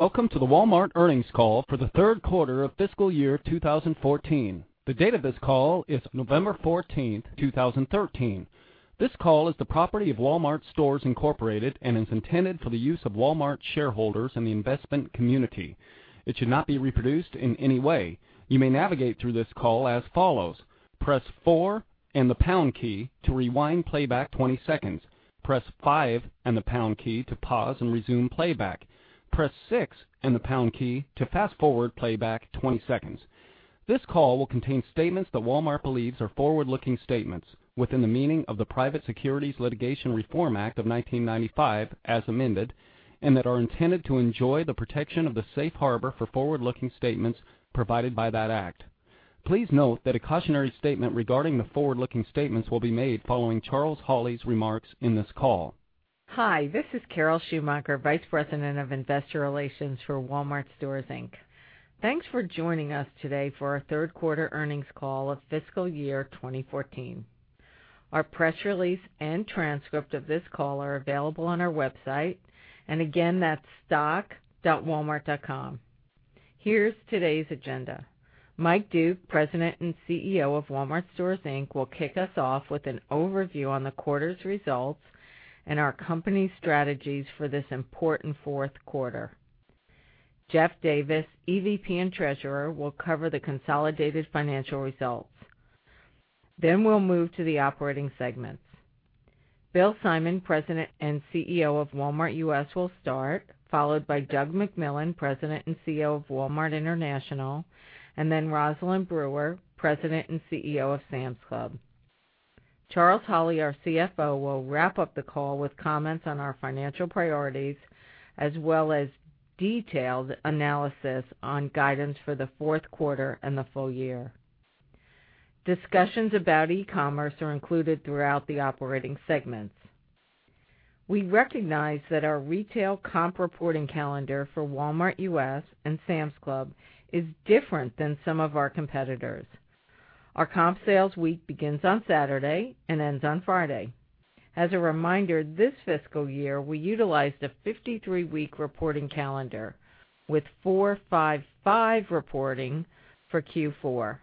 Welcome to the Walmart earnings call for the third quarter of fiscal year 2014. The date of this call is November 14, 2013. This call is the property of Wal-Mart Stores, Inc. and is intended for the use of Walmart shareholders and the investment community. It should not be reproduced in any way. You may navigate through this call as follows. Press four and the pound key to rewind playback 20 seconds. Press five and the pound key to pause and resume playback. Press six and the pound key to fast-forward playback 20 seconds. This call will contain statements that Walmart believes are forward-looking statements within the meaning of the Private Securities Litigation Reform Act of 1995 as amended, and that are intended to enjoy the protection of the safe harbor for forward-looking statements provided by that act. Please note that a cautionary statement regarding the forward-looking statements will be made following Charles Holley's remarks in this call. Hi, this is Carol Schumacher, Vice President of Investor Relations for Wal-Mart Stores, Inc. Thanks for joining us today for our third quarter earnings call of fiscal year 2014. Our press release and transcript of this call are available on our website, and again, that's stock.walmart.com. Here's today's agenda. Mike Duke, President and CEO of Wal-Mart Stores, Inc., will kick us off with an overview on the quarter's results and our company's strategies for this important fourth quarter. Jeff Davis, EVP and Treasurer, will cover the consolidated financial results. We'll move to the operating segments. Bill Simon, President and CEO of Walmart U.S., will start, followed by Doug McMillon, President and CEO of Walmart International, and then Rosalind Brewer, President and CEO of Sam's Club. Charles Holley, our CFO, will wrap up the call with comments on our financial priorities, as well as detailed analysis on guidance for the fourth quarter and the full year. Discussions about e-commerce are included throughout the operating segments. We recognize that our retail comp reporting calendar for Walmart U.S. and Sam's Club is different than some of our competitors. Our comp sales week begins on Saturday and ends on Friday. As a reminder, this fiscal year, we utilized a 53-week reporting calendar with 4-5-5 reporting for Q4.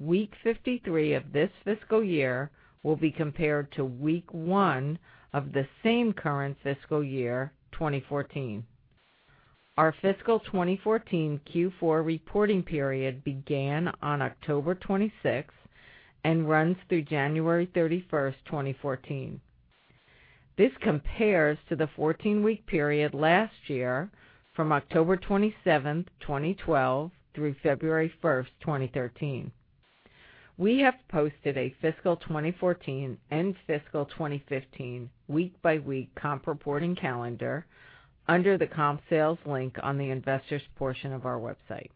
Week 53 of this fiscal year will be compared to week 1 of the same current fiscal year 2014. Our fiscal 2014 Q4 reporting period began on October 26 and runs through January 31, 2014. This compares to the 14-week period last year from October 27, 2012 through February 1, 2013. We have posted a fiscal 2014 and fiscal 2015 week-by-week comp reporting calendar under the Comp Sales link on the investors portion of our website.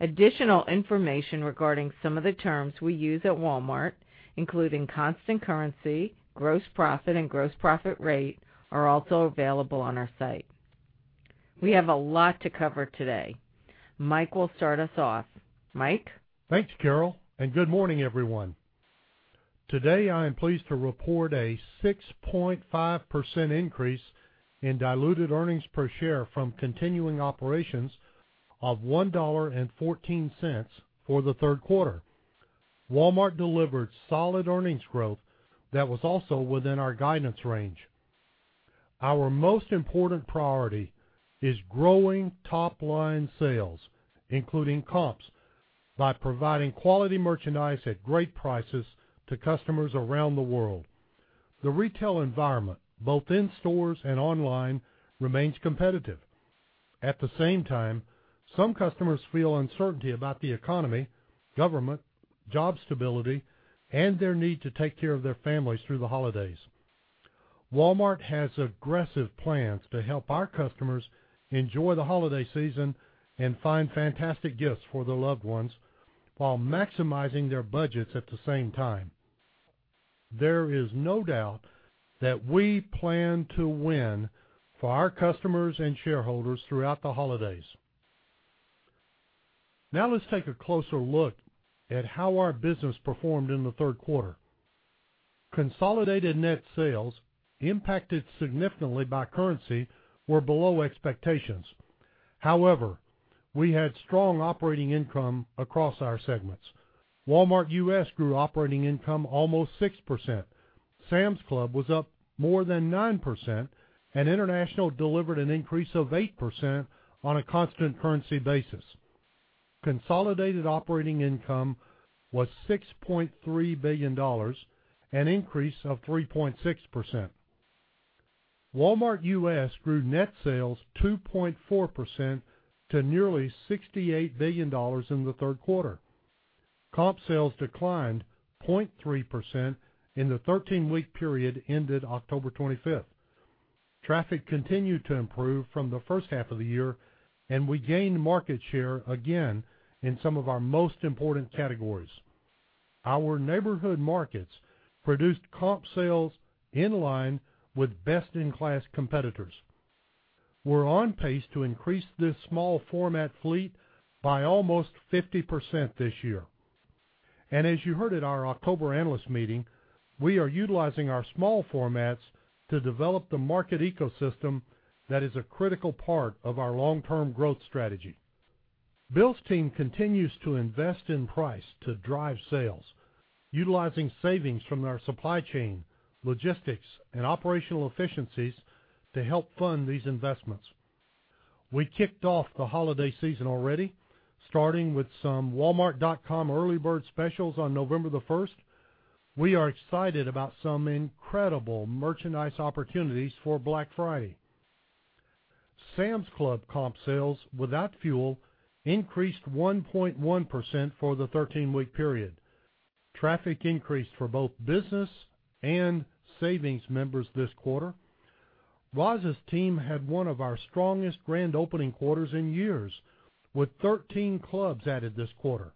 Additional information regarding some of the terms we use at Walmart, including constant currency, gross profit, and gross profit rate, are also available on our site. We have a lot to cover today. Mike will start us off. Mike? Thanks, Carol, and good morning, everyone. Today, I am pleased to report a 6.5% increase in diluted earnings per share from continuing operations of $1.14 for the third quarter. Walmart delivered solid earnings growth that was also within our guidance range. Our most important priority is growing top-line sales, including comps, by providing quality merchandise at great prices to customers around the world. The retail environment, both in stores and online, remains competitive. At the same time, some customers feel uncertainty about the economy, government, job stability, and their need to take care of their families through the holidays. Walmart has aggressive plans to help our customers enjoy the holiday season and find fantastic gifts for their loved ones while maximizing their budgets at the same time. There is no doubt that we plan to win for our customers and shareholders throughout the holidays. Now let's take a closer look at how our business performed in the third quarter. Consolidated net sales impacted significantly by currency were below expectations. However, we had strong operating income across our segments. Walmart U.S. grew operating income almost 6%. Sam's Club was up more than 9%, and International delivered an increase of 8% on a constant currency basis. Consolidated operating income was $6.3 billion, an increase of 3.6%. Walmart U.S. grew net sales 2.4% to nearly $68 billion in the third quarter. Comp sales declined 0.3% in the 13-week period ended October 25th. Traffic continued to improve from the first half of the year, and we gained market share again in some of our most important categories. Our Neighborhood Markets produced comp sales in line with best-in-class competitors. We're on pace to increase this small format fleet by almost 50% this year. As you heard at our October analyst meeting, we are utilizing our small formats to develop the market ecosystem that is a critical part of our long-term growth strategy. Bill's team continues to invest in price to drive sales, utilizing savings from our supply chain, logistics, and operational efficiencies to help fund these investments. We kicked off the holiday season already, starting with some walmart.com early bird specials on November the 1st. We are excited about some incredible merchandise opportunities for Black Friday. Sam's Club comp sales without fuel increased 1.1% for the 13-week period. Traffic increased for both business and savings members this quarter. Roz's team had one of our strongest grand opening quarters in years, with 13 clubs added this quarter.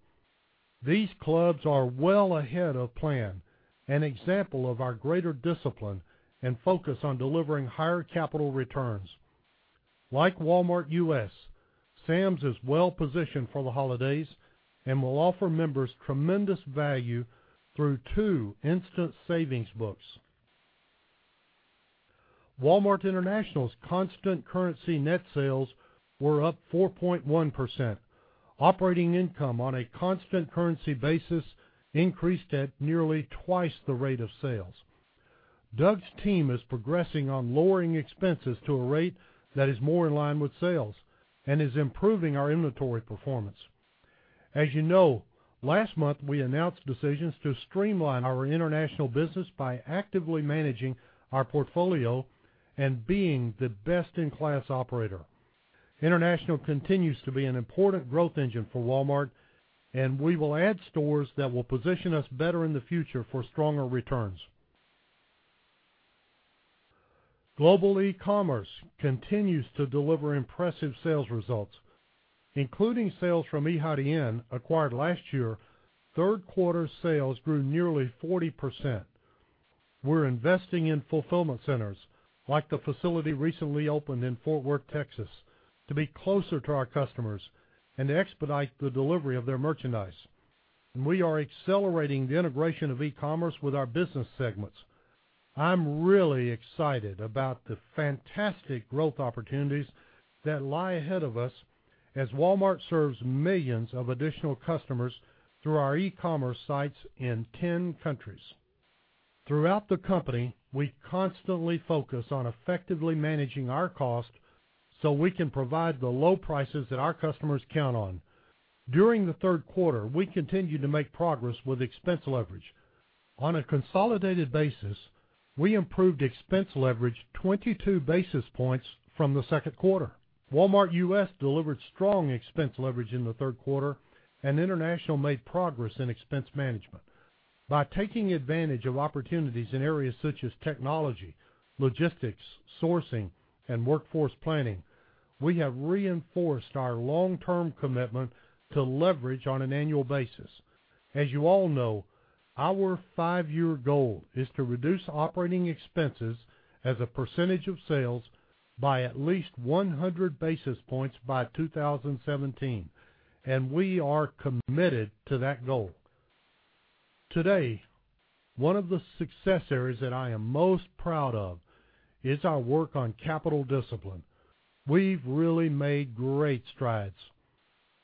These clubs are well ahead of plan, an example of our greater discipline and focus on delivering higher capital returns. Like Walmart U.S., Sam's is well-positioned for the holidays and will offer members tremendous value through two Instant Savings books. Walmart International's constant currency net sales were up 4.1%. Operating income on a constant currency basis increased at nearly twice the rate of sales. Doug's team is progressing on lowering expenses to a rate that is more in line with sales and is improving our inventory performance. As you know, last month we announced decisions to streamline our international business by actively managing our portfolio and being the best-in-class operator. International continues to be an important growth engine for Walmart. We will add stores that will position us better in the future for stronger returns. Global e-commerce continues to deliver impressive sales results. Including sales from Yihaodian in acquired last year, third-quarter sales grew nearly 40%. We're investing in fulfillment centers like the facility recently opened in Fort Worth, Texas, to be closer to our customers and to expedite the delivery of their merchandise. We are accelerating the integration of e-commerce with our business segments. I'm really excited about the fantastic growth opportunities that lie ahead of us as Walmart serves millions of additional customers through our e-commerce sites in 10 countries. Throughout the company, we constantly focus on effectively managing our cost so we can provide the low prices that our customers count on. During the third quarter, we continued to make progress with expense leverage. On a consolidated basis, we improved expense leverage 22 basis points from the second quarter. Walmart U.S. delivered strong expense leverage in the third quarter, and International made progress in expense management. By taking advantage of opportunities in areas such as technology, logistics, sourcing, and workforce planning, we have reinforced our long-term commitment to leverage on an annual basis. As you all know, our five-year goal is to reduce operating expenses as a percentage of sales by at least 100 basis points by 2017. We are committed to that goal. Today, one of the success areas that I am most proud of is our work on capital discipline. We've really made great strides.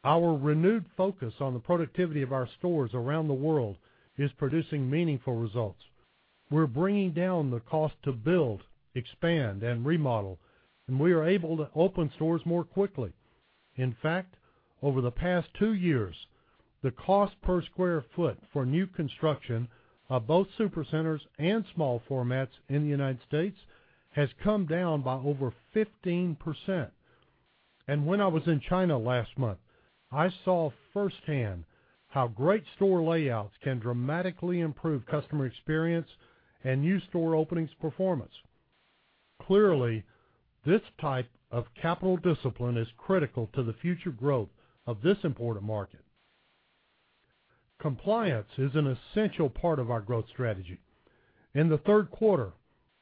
Our renewed focus on the productivity of our stores around the world is producing meaningful results. We're bringing down the cost to build, expand, and remodel. We are able to open stores more quickly. In fact, over the past two years, the cost per square foot for new construction of both Supercenters and small formats in the U.S. has come down by over 15%. When I was in China last month, I saw firsthand how great store layouts can dramatically improve customer experience and new store openings performance. Clearly, this type of capital discipline is critical to the future growth of this important market. Compliance is an essential part of our growth strategy. In the third quarter,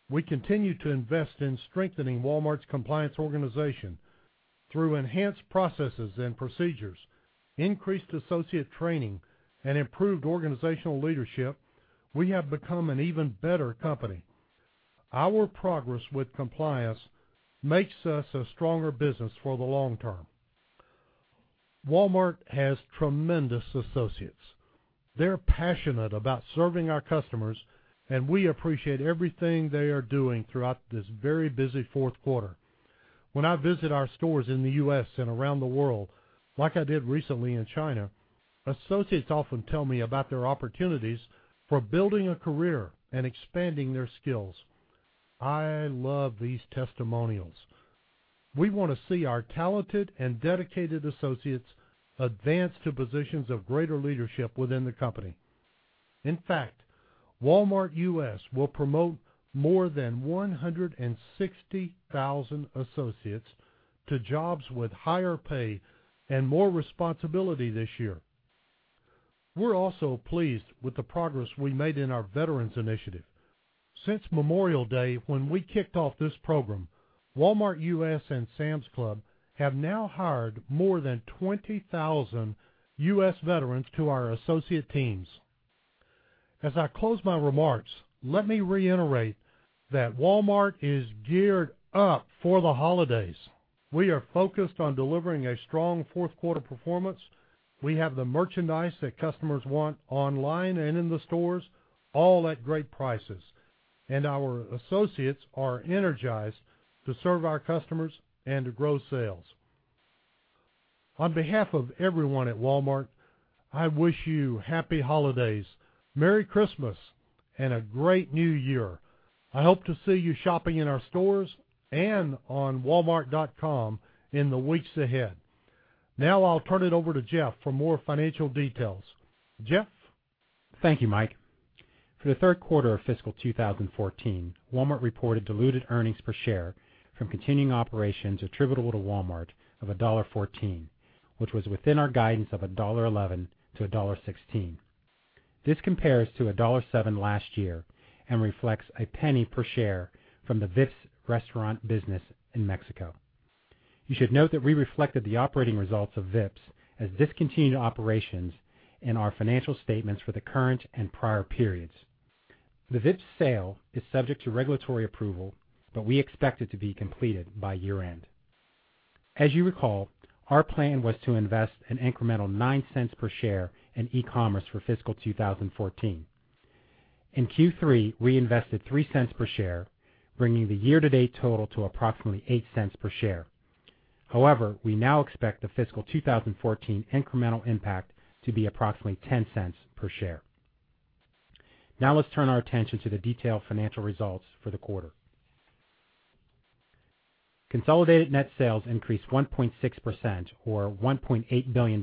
we continued to invest in strengthening Walmart's compliance organization. Through enhanced processes and procedures, increased associate training, and improved organizational leadership, we have become an even better company. Our progress with compliance makes us a stronger business for the long term. Walmart has tremendous associates. They're passionate about serving our customers. We appreciate everything they are doing throughout this very busy fourth quarter. When I visit our stores in the U.S. and around the world, like I did recently in China, associates often tell me about their opportunities for building a career and expanding their skills. I love these testimonials. We want to see our talented and dedicated associates advance to positions of greater leadership within the company. In fact, Walmart U.S. will promote more than 160,000 associates to jobs with higher pay and more responsibility this year. We're also pleased with the progress we made in our veterans initiative. Since Memorial Day, when we kicked off this program, Walmart U.S. and Sam's Club have now hired more than 20,000 U.S. veterans to our associate teams. As I close my remarks, let me reiterate that Walmart is geared up for the holidays. We are focused on delivering a strong fourth-quarter performance. We have the merchandise that customers want online and in the stores, all at great prices. Our associates are energized to serve our customers and to grow sales. On behalf of everyone at Walmart, I wish you happy holidays, merry Christmas, and a great new year. I hope to see you shopping in our stores and on walmart.com in the weeks ahead. I'll turn it over to Jeff for more financial details. Jeff? Thank you, Mike. For the third quarter of fiscal 2014, Walmart reported diluted earnings per share from continuing operations attributable to Walmart of $1.14, which was within our guidance of $1.11-$1.16. This compares to $1.07 last year and reflects a penny per share from the Vips restaurant business in Mexico. You should note that we reflected the operating results of Vips as discontinued operations in our financial statements for the current and prior periods. The Vips sale is subject to regulatory approval, but we expect it to be completed by year-end. As you recall, our plan was to invest an incremental $0.09 per share in e-commerce for fiscal 2014. In Q3, we invested $0.03 per share, bringing the year-to-date total to approximately $0.08 per share. We now expect the fiscal 2014 incremental impact to be approximately $0.10 per share. Let's turn our attention to the detailed financial results for the quarter. Consolidated net sales increased 1.6%, or $1.8 billion,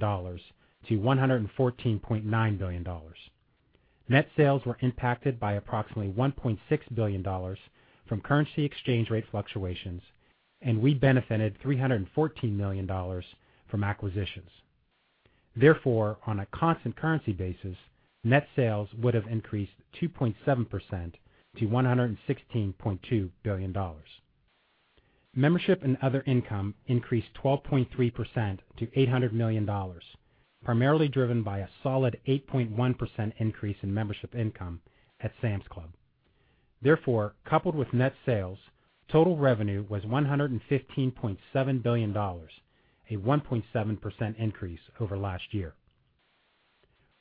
to $114.9 billion. Net sales were impacted by approximately $1.6 billion from currency exchange rate fluctuations. We benefited $314 million from acquisitions. On a constant currency basis, net sales would've increased 2.7% to $116.2 billion. Membership and other income increased 12.3% to $800 million, primarily driven by a solid 8.1% increase in membership income at Sam's Club. Coupled with net sales, total revenue was $115.7 billion, a 1.7% increase over last year.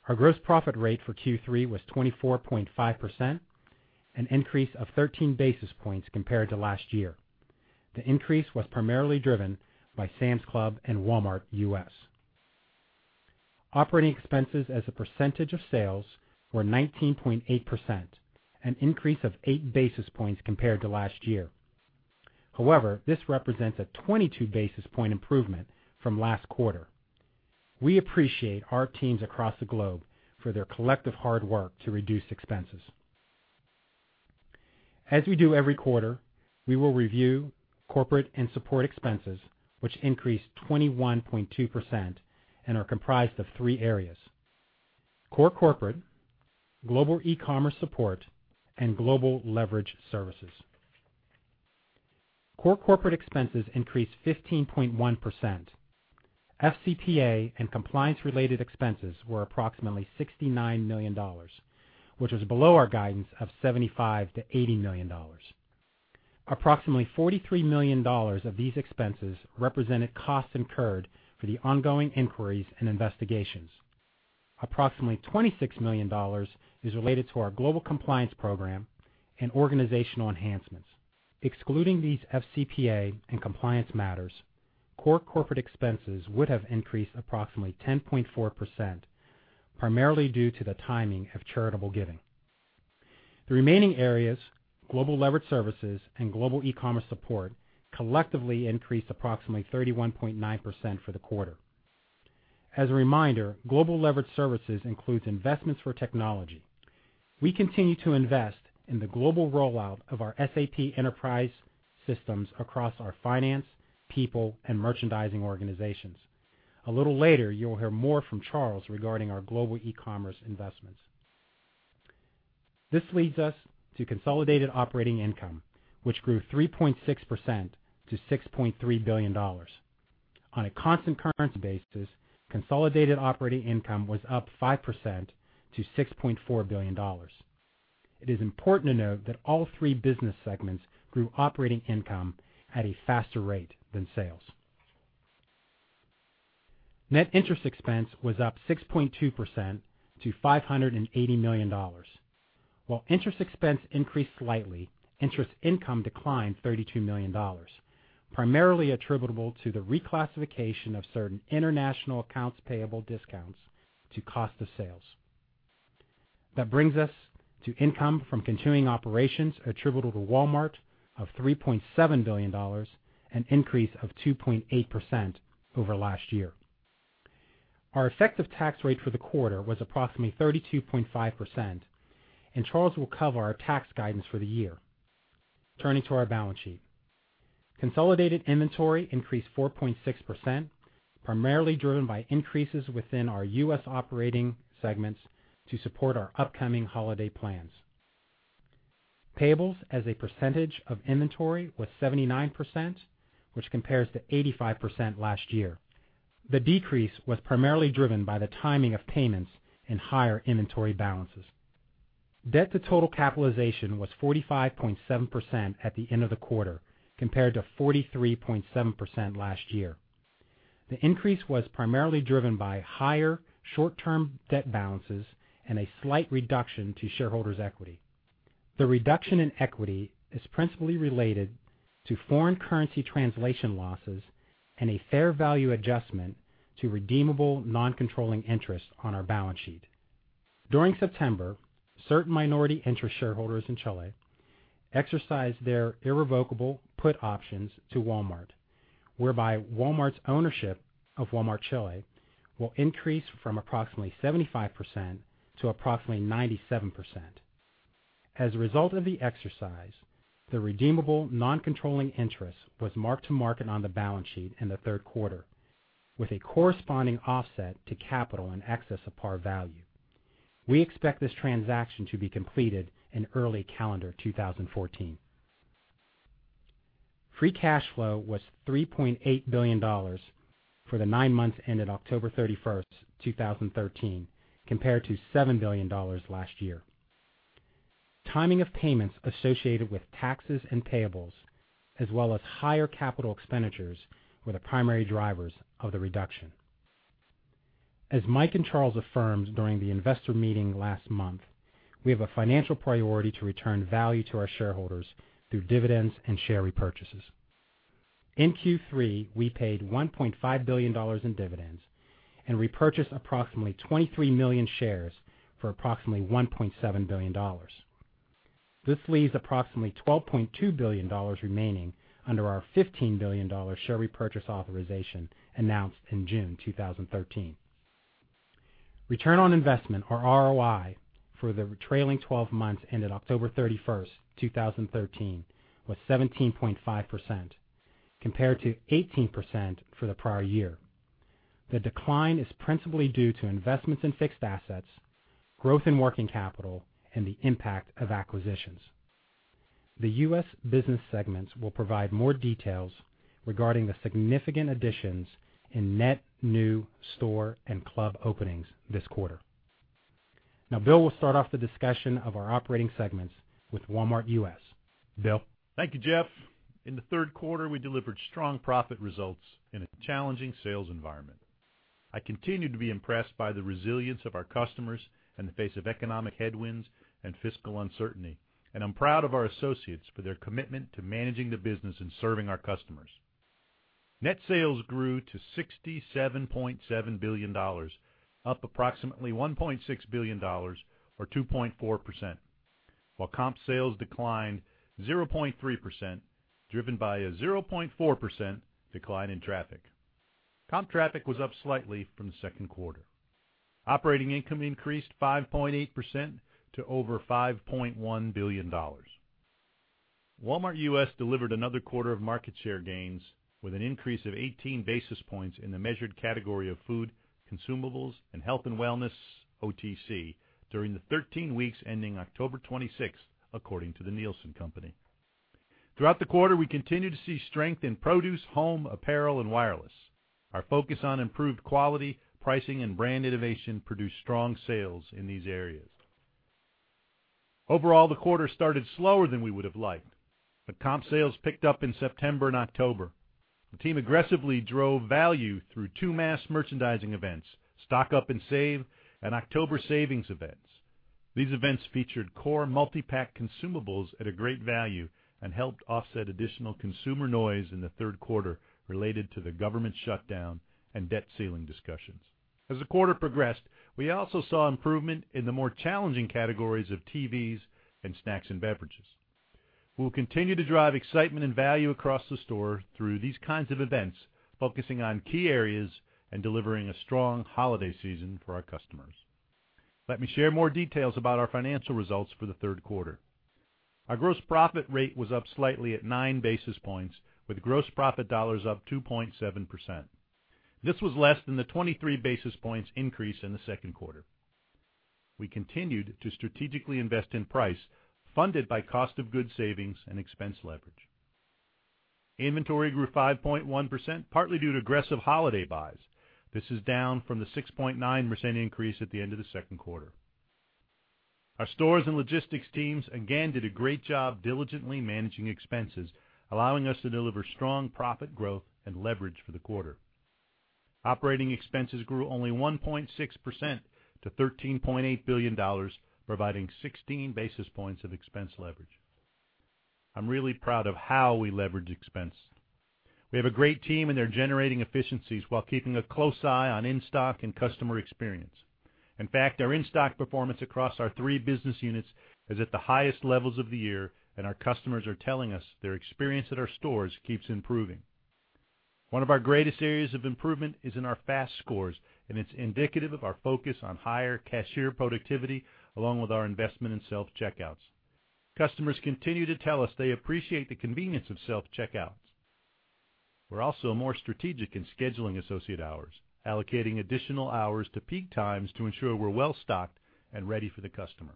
Our gross profit rate for Q3 was 24.5%, an increase of 13 basis points compared to last year. The increase was primarily driven by Sam's Club and Walmart U.S. Operating expenses as a percentage of sales were 19.8%, an increase of eight basis points compared to last year. However, this represents a 22-basis-point improvement from last quarter. We appreciate our teams across the globe for their collective hard work to reduce expenses. As we do every quarter, we will review corporate and support expenses, which increased 21.2% and are comprised of three areas: core corporate, global e-commerce support, and global leverage services. Core corporate expenses increased 15.1%. FCPA and compliance-related expenses were approximately $69 million, which was below our guidance of $75 million-$80 million. Approximately $43 million of these expenses represented costs incurred for the ongoing inquiries and investigations. Approximately $26 million is related to our global compliance program and organizational enhancements. Excluding these FCPA and compliance matters, core corporate expenses would have increased approximately 10.4%, primarily due to the timing of charitable giving. The remaining areas, global leverage services and global e-commerce support, collectively increased approximately 31.9% for the quarter. As a reminder, global leverage services includes investments for technology. We continue to invest in the global rollout of our SAP enterprise systems across our finance, people, and merchandising organizations. A little later, you will hear more from Charles regarding our global e-commerce investments. This leads us to consolidated operating income, which grew 3.6% to $6.3 billion. On a constant currency basis, consolidated operating income was up 5% to $6.4 billion. It is important to note that all three business segments grew operating income at a faster rate than sales. Net interest expense was up 6.2% to $580 million. While interest expense increased slightly, interest income declined $32 million, primarily attributable to the reclassification of certain international accounts payable discounts to cost of sales. That brings us to income from continuing operations attributable to Walmart of $3.7 billion, an increase of 2.8% over last year. Our effective tax rate for the quarter was approximately 32.5%, and Charles will cover our tax guidance for the year. Turning to our balance sheet. Consolidated inventory increased 4.6%, primarily driven by increases within our U.S. operating segments to support our upcoming holiday plans. Payables as a percentage of inventory was 79%, which compares to 85% last year. The decrease was primarily driven by the timing of payments and higher inventory balances. Debt to total capitalization was 45.7% at the end of the quarter, compared to 43.7% last year. The increase was primarily driven by higher short-term debt balances and a slight reduction to shareholders' equity. The reduction in equity is principally related to foreign currency translation losses and a fair value adjustment to redeemable non-controlling interest on our balance sheet. During September, certain minority interest shareholders in Chile exercised their irrevocable put options to Walmart, whereby Walmart's ownership of Walmart Chile will increase from approximately 75% to approximately 97%. As a result of the exercise, the redeemable non-controlling interest was marked to market on the balance sheet in the third quarter with a corresponding offset to capital in excess of par value. We expect this transaction to be completed in early calendar 2014. Free cash flow was $3.8 billion for the nine months ended October 31st, 2013, compared to $7 billion last year. Timing of payments associated with taxes and payables, as well as higher capital expenditures, were the primary drivers of the reduction. As Mike and Charles affirmed during the investor meeting last month, we have a financial priority to return value to our shareholders through dividends and share repurchases. In Q3, we paid $1.5 billion in dividends and repurchased approximately 23 million shares for approximately $1.7 billion. This leaves approximately $12.2 billion remaining under our $15 billion share repurchase authorization announced in June 2013. Return on investment, or ROI, for the trailing 12 months ended October 31st, 2013, was 17.5%, compared to 18% for the prior year. The decline is principally due to investments in fixed assets, growth in working capital, and the impact of acquisitions. The U.S. business segments will provide more details regarding the significant additions in net new store and club openings this quarter. Bill will start off the discussion of our operating segments with Walmart U.S. Bill? Thank you, Jeff. In the third quarter, we delivered strong profit results in a challenging sales environment. I continue to be impressed by the resilience of our customers in the face of economic headwinds and fiscal uncertainty, and I'm proud of our associates for their commitment to managing the business and serving our customers. Net sales grew to $67.7 billion, up approximately $1.6 billion, or 2.4%, while comp sales declined 0.3%, driven by a 0.4% decline in traffic. Comp traffic was up slightly from the second quarter. Operating income increased 5.8% to over $5.1 billion. Walmart U.S. delivered another quarter of market share gains with an increase of 18 basis points in the measured category of food, consumables, and health and wellness OTC during the 13 weeks ending October 26th, according to The Nielsen Company. Throughout the quarter, we continued to see strength in produce, home apparel, and wireless. Our focus on improved quality, pricing, and brand innovation produced strong sales in these areas. Overall, the quarter started slower than we would have liked, comp sales picked up in September and October. The team aggressively drove value through two mass merchandising events, Stock Up & Save and October Savings Events. These events featured core multi-pack consumables at a great value and helped offset additional consumer noise in the third quarter related to the government shutdown and debt ceiling discussions. As the quarter progressed, we also saw improvement in the more challenging categories of TVs and snacks and beverages. We'll continue to drive excitement and value across the store through these kinds of events, focusing on key areas and delivering a strong holiday season for our customers. Let me share more details about our financial results for the third quarter. Our gross profit rate was up slightly at nine basis points, with gross profit dollars up 2.7%. This was less than the 23 basis points increase in the second quarter. We continued to strategically invest in price funded by cost of goods savings and expense leverage. Inventory grew 5.1%, partly due to aggressive holiday buys. This is down from the 6.9% increase at the end of the second quarter. Our stores and logistics teams again did a great job diligently managing expenses, allowing us to deliver strong profit growth and leverage for the quarter. Operating expenses grew only 1.6% to $13.8 billion, providing 16 basis points of expense leverage. I'm really proud of how we leveraged expenses. We have a great team, they're generating efficiencies while keeping a close eye on in-stock and customer experience. In fact, our in-stock performance across our three business units is at the highest levels of the year. Our customers are telling us their experience at our stores keeps improving. One of our greatest areas of improvement is in our fast scores. It's indicative of our focus on higher cashier productivity, along with our investment in self-checkouts. Customers continue to tell us they appreciate the convenience of self-checkouts. We're also more strategic in scheduling associate hours, allocating additional hours to peak times to ensure we're well-stocked and ready for the customer.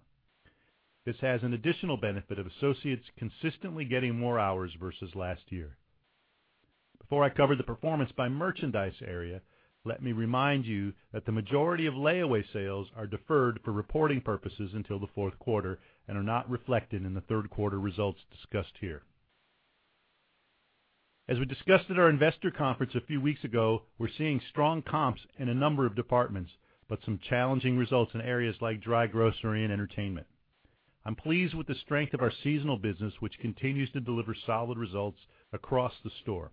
This has an additional benefit of associates consistently getting more hours versus last year. Before I cover the performance by merchandise area, let me remind you that the majority of layaway sales are deferred for reporting purposes until the fourth quarter and are not reflected in the third quarter results discussed here. As we discussed at our investor conference a few weeks ago, we're seeing strong comps in a number of departments. Some challenging results in areas like dry grocery and entertainment. I'm pleased with the strength of our seasonal business, which continues to deliver solid results across the store.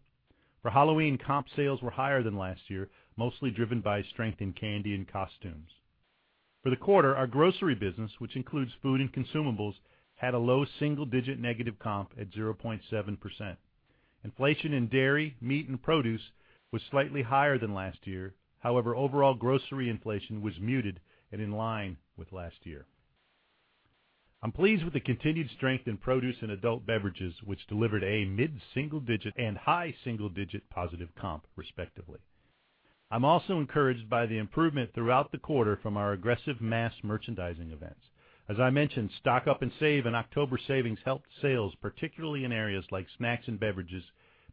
For Halloween, comp sales were higher than last year, mostly driven by strength in candy and costumes. For the quarter, our grocery business, which includes food and consumables, had a low single-digit negative comp at 0.7%. Inflation in dairy, meat, and produce was slightly higher than last year. However, overall grocery inflation was muted and in line with last year. I'm pleased with the continued strength in produce and adult beverages, which delivered a mid-single digit and high single-digit positive comp, respectively. I'm also encouraged by the improvement throughout the quarter from our aggressive mass merchandising events. As I mentioned, Stock Up & Save and October Savings helped sales, particularly in areas like snacks and beverages,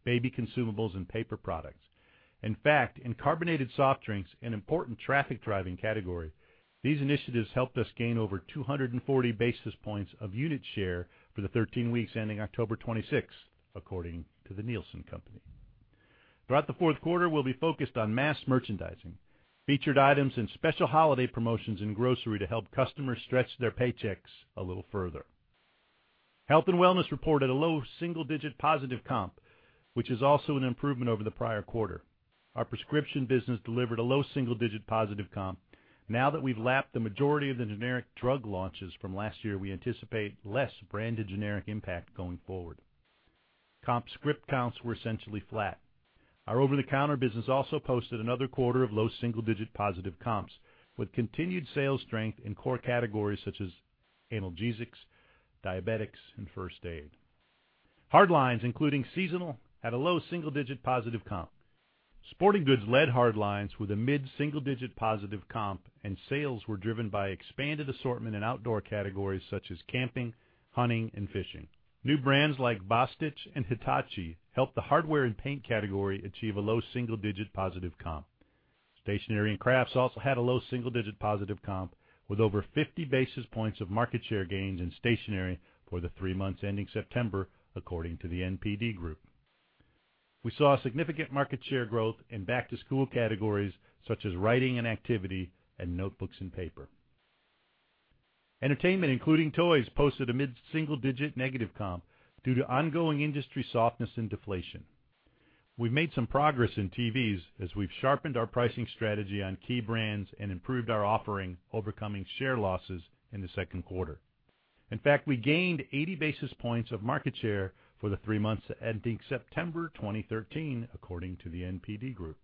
baby consumables, and paper products. In fact, in carbonated soft drinks, an important traffic-driving category, these initiatives helped us gain over 240 basis points of unit share for the 13 weeks ending October 26th, according to The Nielsen Company. Throughout the fourth quarter, we'll be focused on mass merchandising, featured items, and special holiday promotions in grocery to help customers stretch their paychecks a little further. Health and wellness reported a low single-digit positive comp, which is also an improvement over the prior quarter. Our prescription business delivered a low single-digit positive comp. Now that we've lapped the majority of the generic drug launches from last year, we anticipate less brand to generic impact going forward. Comp script counts were essentially flat. Our over-the-counter business also posted another quarter of low double-digit positive comps, with continued sales strength in core categories such as analgesics, diabetics, and first aid. Hard lines, including seasonal, had a low single-digit positive comp. Sporting Goods led hard lines with a mid-single digit positive comp. Sales were driven by expanded assortment in outdoor categories such as camping, hunting, and fishing. New brands like Bostitch and Hitachi helped the hardware and paint category achieve a low single-digit positive comp. Stationery and crafts also had a low single-digit positive comp, with over 50 basis points of market share gains in stationery for the three months ending September, according to The NPD Group. We saw significant market share growth in back-to-school categories such as writing and activity and notebooks and paper. Entertainment, including toys, posted a mid-single digit negative comp due to ongoing industry softness and deflation. We've made some progress in TVs as we've sharpened our pricing strategy on key brands and improved our offering, overcoming share losses in the second quarter. In fact, we gained 80 basis points of market share for the three months ending September 2013, according to the NPD Group.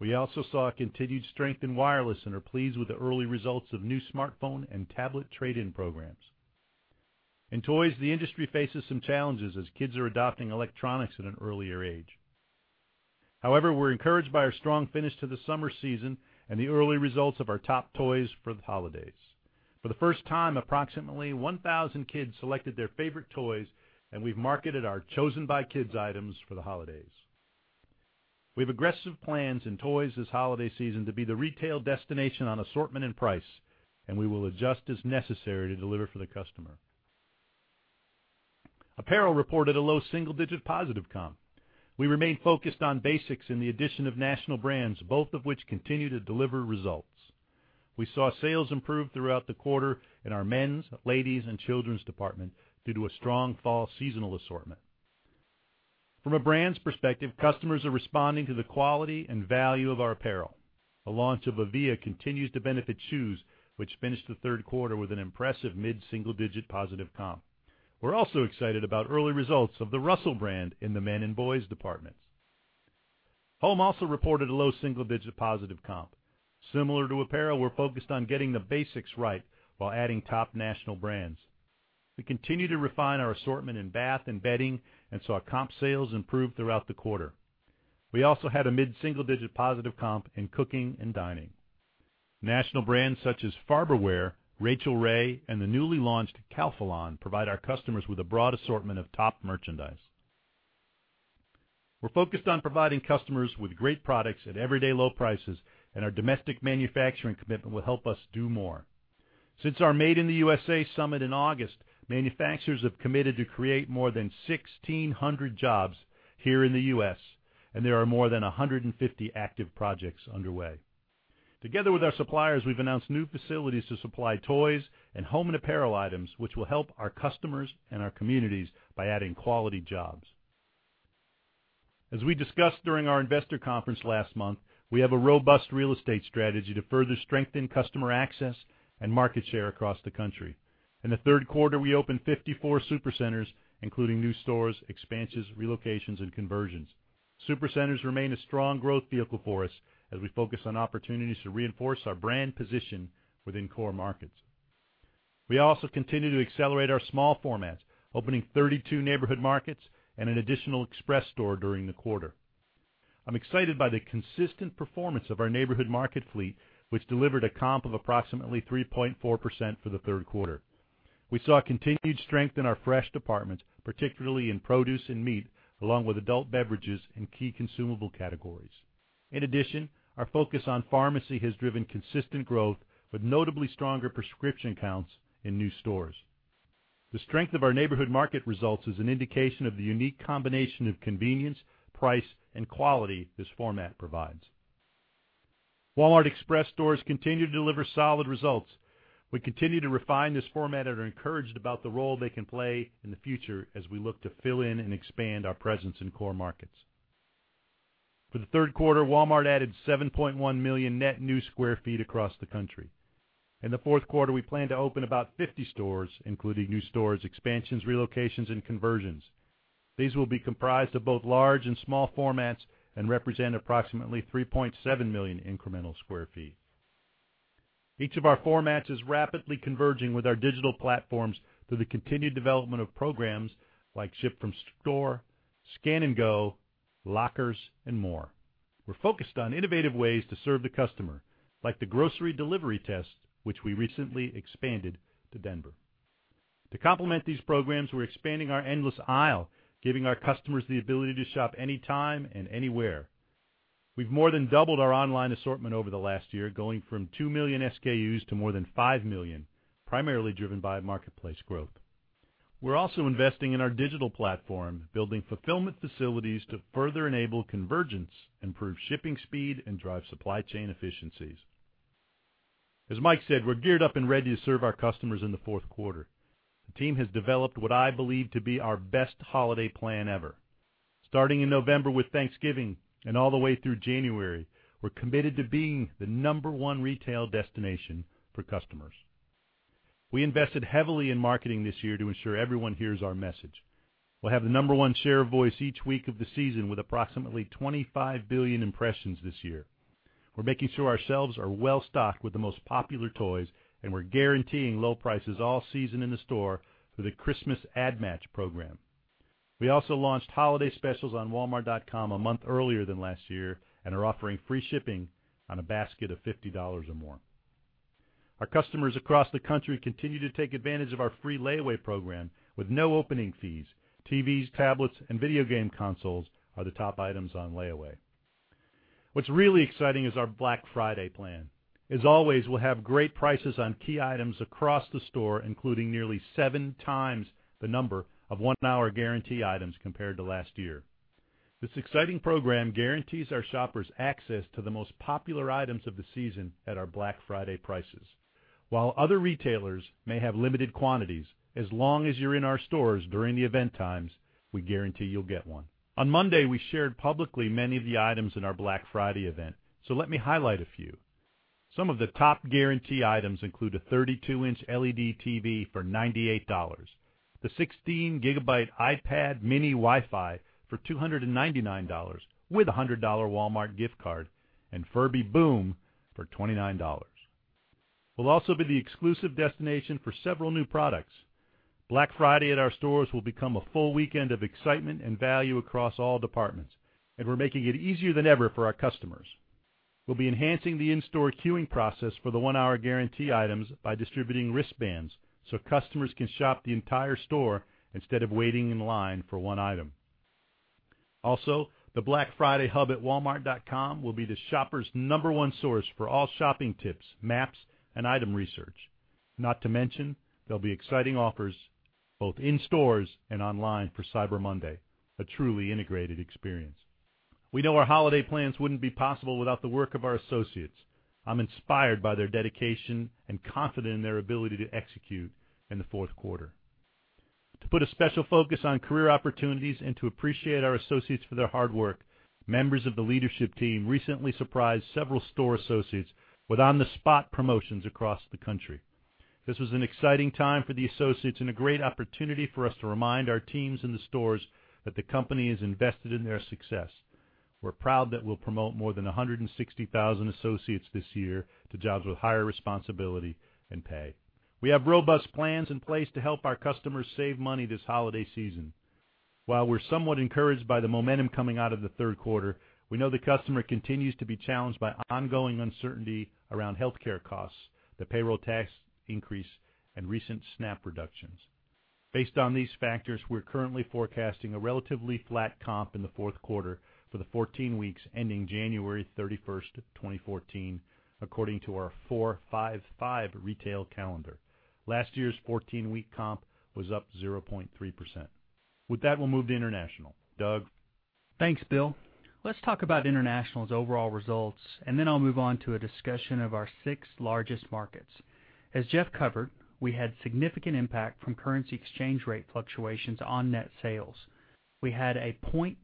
We also saw continued strength in wireless and are pleased with the early results of new smartphone and tablet trade-in programs. In toys, the industry faces some challenges as kids are adopting electronics at an earlier age. However, we're encouraged by our strong finish to the summer season and the early results of our top toys for the holidays. For the first time, approximately 1,000 kids selected their favorite toys, and we've marketed our Chosen by Kids items for the holidays. We have aggressive plans in toys this holiday season to be the retail destination on assortment and price. We will adjust as necessary to deliver for the customer. Apparel reported a low single-digit positive comp. We remain focused on basics and the addition of national brands, both of which continue to deliver results. We saw sales improve throughout the quarter in our men's, ladies, and children's department due to a strong fall seasonal assortment. From a brands perspective, customers are responding to the quality and value of our apparel. The launch of Avia continues to benefit shoes, which finished the third quarter with an impressive mid-single digit positive comp. We're also excited about early results of the Russell brand in the men and boys departments. Home also reported a low single-digit positive comp. Similar to apparel, we're focused on getting the basics right while adding top national brands. We continue to refine our assortment in bath and bedding and saw comp sales improve throughout the quarter. We also had a mid-single digit positive comp in cooking and dining. National brands such as Farberware, Rachael Ray, and the newly launched Calphalon provide our customers with a broad assortment of top merchandise. We're focused on providing customers with great products at everyday low prices. Our domestic manufacturing commitment will help us do more. Since our Made in the U.S.A. summit in August, manufacturers have committed to create more than 1,600 jobs here in the U.S. There are more than 150 active projects underway. Together with our suppliers, we've announced new facilities to supply toys and home and apparel items, which will help our customers and our communities by adding quality jobs. As we discussed during our investor conference last month, we have a robust real estate strategy to further strengthen customer access and market share across the country. In the third quarter, we opened 54 Super Centers, including new stores, expansions, relocations, and conversions. Super Centers remain a strong growth vehicle for us as we focus on opportunities to reinforce our brand position within core markets. We also continue to accelerate our small formats, opening 32 Neighborhood Markets and an additional Express store during the quarter. I'm excited by the consistent performance of our Neighborhood Market fleet, which delivered a comp of approximately 3.4% for the third quarter. We saw continued strength in our fresh departments, particularly in produce and meat, along with adult beverages and key consumable categories. In addition, our focus on pharmacy has driven consistent growth with notably stronger prescription counts in new stores. The strength of our Walmart Neighborhood Market results is an indication of the unique combination of convenience, price, and quality this format provides. Walmart Express stores continue to deliver solid results. We continue to refine this format and are encouraged about the role they can play in the future as we look to fill in and expand our presence in core markets. For the third quarter, Walmart added 7.1 million net new sq ft across the country. In the fourth quarter, we plan to open about 50 stores, including new stores, expansions, relocations, and conversions. These will be comprised of both large and small formats and represent approximately 3.7 million incremental sq ft. Each of our formats is rapidly converging with our digital platforms through the continued development of programs like Ship from Store, Scan & Go, Lockers, and more. We're focused on innovative ways to serve the customer, like the grocery delivery test, which we recently expanded to Denver. To complement these programs, we're expanding our endless aisle, giving our customers the ability to shop anytime and anywhere. We've more than doubled our online assortment over the last year, going from 2 million SKUs to more than 5 million, primarily driven by marketplace growth. We're also investing in our digital platform, building fulfillment facilities to further enable convergence, improve shipping speed, and drive supply chain efficiencies. As Mike said, we're geared up and ready to serve our customers in the fourth quarter. The team has developed what I believe to be our best holiday plan ever. Starting in November with Thanksgiving and all the way through January, we're committed to being the number 1 retail destination for customers. We invested heavily in marketing this year to ensure everyone hears our message. We'll have the number 1 share of voice each week of the season with approximately 25 billion impressions this year. We're making sure our shelves are well-stocked with the most popular toys, and we're guaranteeing low prices all season in the store through the Christmas Ad Match program. We also launched holiday specials on walmart.com a month earlier than last year and are offering free shipping on a basket of $50 or more. Our customers across the country continue to take advantage of our free layaway program with no opening fees. TVs, tablets, and video game consoles are the top items on layaway. What's really exciting is our Black Friday plan. As always, we'll have great prices on key items across the store, including nearly 7 times the number of 1-hour guarantee items compared to last year. This exciting program guarantees our shoppers access to the most popular items of the season at our Black Friday prices. While other retailers may have limited quantities, as long as you're in our stores during the event times, we guarantee you'll get one. On Monday, we shared publicly many of the items in our Black Friday event, so let me highlight a few. Some of the top guarantee items include a 32-inch LED TV for $98, the 16 gigabyte iPad mini Wi-Fi for $299 with a $100 Walmart gift card, and Furby Boom for $29. We'll also be the exclusive destination for several new products. Black Friday at our stores will become a full weekend of excitement and value across all departments, and we're making it easier than ever for our customers. We'll be enhancing the in-store queuing process for the one-hour guarantee items by distributing wristbands so customers can shop the entire store instead of waiting in line for one item. Also, the Black Friday hub at walmart.com will be the shopper's number one source for all shopping tips, maps, and item research. Not to mention, there'll be exciting offers both in stores and online for Cyber Monday, a truly integrated experience. We know our holiday plans wouldn't be possible without the work of our associates. I'm inspired by their dedication and confident in their ability to execute in the fourth quarter. To put a special focus on career opportunities and to appreciate our associates for their hard work, members of the leadership team recently surprised several store associates with on-the-spot promotions across the country. This was an exciting time for the associates and a great opportunity for us to remind our teams in the stores that the company is invested in their success. We're proud that we'll promote more than 160,000 associates this year to jobs with higher responsibility and pay. We have robust plans in place to help our customers save money this holiday season. While we're somewhat encouraged by the momentum coming out of the third quarter, we know the customer continues to be challenged by ongoing uncertainty around healthcare costs, the payroll tax increase, and recent snap reductions. Based on these factors, we're currently forecasting a relatively flat comp in the fourth quarter for the 14 weeks ending January 31st, 2014, according to our four-five-five retail calendar. Last year's 14-week comp was up 0.3%. With that, we'll move to International. Doug? Thanks, Bill. Let's talk about International's overall results, and then I'll move on to a discussion of our six largest markets. As Jeff covered, we had significant impact from currency exchange rate fluctuations on net sales. We had a 0.2%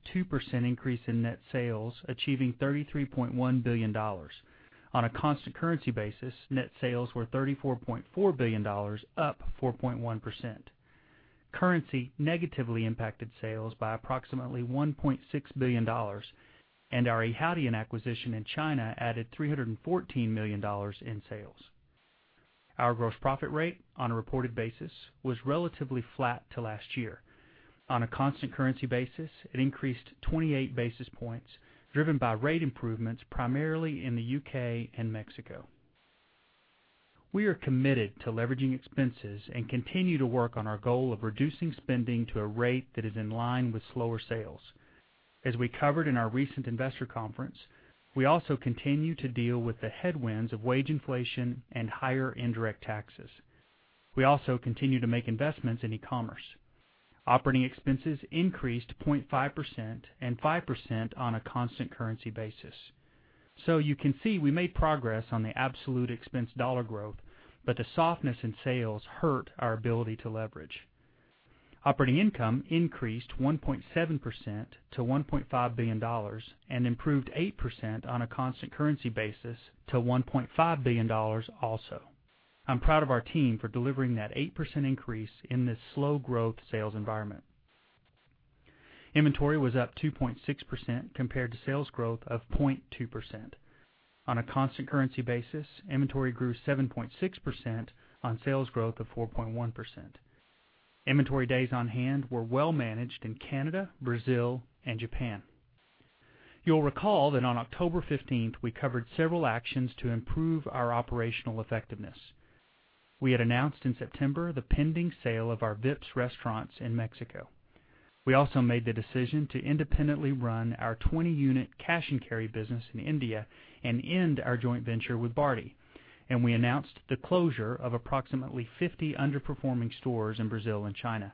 increase in net sales, achieving $33.1 billion. On a constant currency basis, net sales were $34.4 billion, up 4.1%. Currency negatively impacted sales by approximately $1.6 billion, and our Yihaodian acquisition in China added $314 million in sales. Our gross profit rate on a reported basis was relatively flat to last year. On a constant currency basis, it increased 28 basis points, driven by rate improvements primarily in the U.K. and Mexico. We are committed to leveraging expenses and continue to work on our goal of reducing spending to a rate that is in line with slower sales. As we covered in our recent investor conference, we also continue to deal with the headwinds of wage inflation and higher indirect taxes. We also continue to make investments in e-commerce. Operating expenses increased 0.5% and 5% on a constant currency basis. You can see we made progress on the absolute expense dollar growth, but the softness in sales hurt our ability to leverage. Operating income increased 1.7% to $1.5 billion and improved 8% on a constant currency basis to $1.5 billion also. I'm proud of our team for delivering that 8% increase in this slow growth sales environment. Inventory was up 2.6% compared to sales growth of 0.2%. On a constant currency basis, inventory grew 7.6% on sales growth of 4.1%. Inventory days on hand were well managed in Canada, Brazil, and Japan. You'll recall that on October 15th, we covered several actions to improve our operational effectiveness. We had announced in September the pending sale of our Vips restaurants in Mexico. We also made the decision to independently run our 20-unit cash and carry business in India and end our joint venture with Bharti. We announced the closure of approximately 50 underperforming stores in Brazil and China.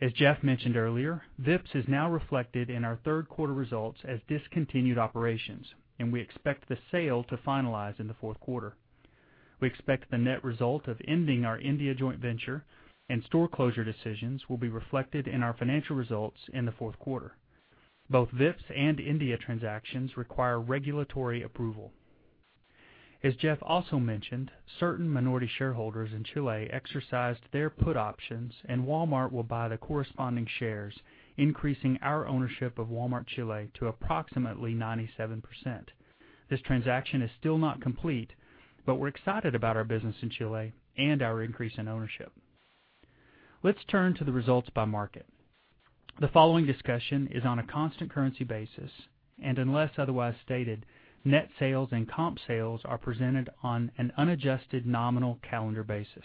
As Jeff mentioned earlier, Vips is now reflected in our third-quarter results as discontinued operations, and we expect the sale to finalize in the fourth quarter. We expect the net result of ending our India joint venture and store closure decisions will be reflected in our financial results in the fourth quarter. Both Vips and India transactions require regulatory approval. As Jeff also mentioned, certain minority shareholders in Chile exercised their put options. Walmart will buy the corresponding shares, increasing our ownership of Walmart Chile to approximately 97%. This transaction is still not complete. We're excited about our business in Chile and our increase in ownership. Let's turn to the results by market. The following discussion is on a constant currency basis, and unless otherwise stated, net sales and comp sales are presented on an unadjusted nominal calendar basis.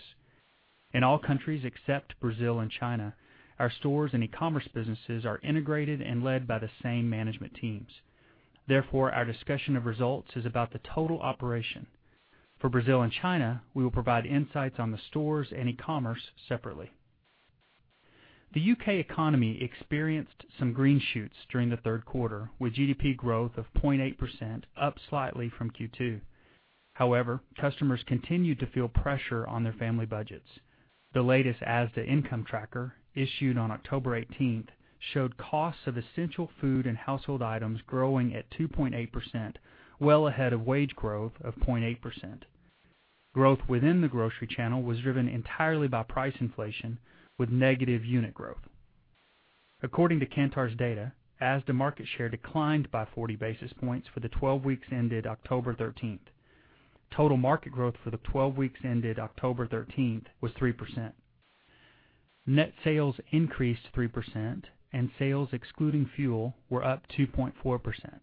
In all countries except Brazil and China, our stores and e-commerce businesses are integrated and led by the same management teams. Therefore, our discussion of results is about the total operation. For Brazil and China, we will provide insights on the stores and e-commerce separately. The U.K. economy experienced some green shoots during the third quarter, with GDP growth of 0.8%, up slightly from Q2. However, customers continued to feel pressure on their family budgets. The latest Asda Income Tracker, issued on October 18th, showed costs of essential food and household items growing at 2.8%, well ahead of wage growth of 0.8%. Growth within the grocery channel was driven entirely by price inflation, with negative unit growth. According to Kantar's data, Asda market share declined by 40 basis points for the 12 weeks ended October 13th. Total market growth for the 12 weeks ended October 13th was 3%. Net sales increased 3%. Sales excluding fuel were up 2.4%.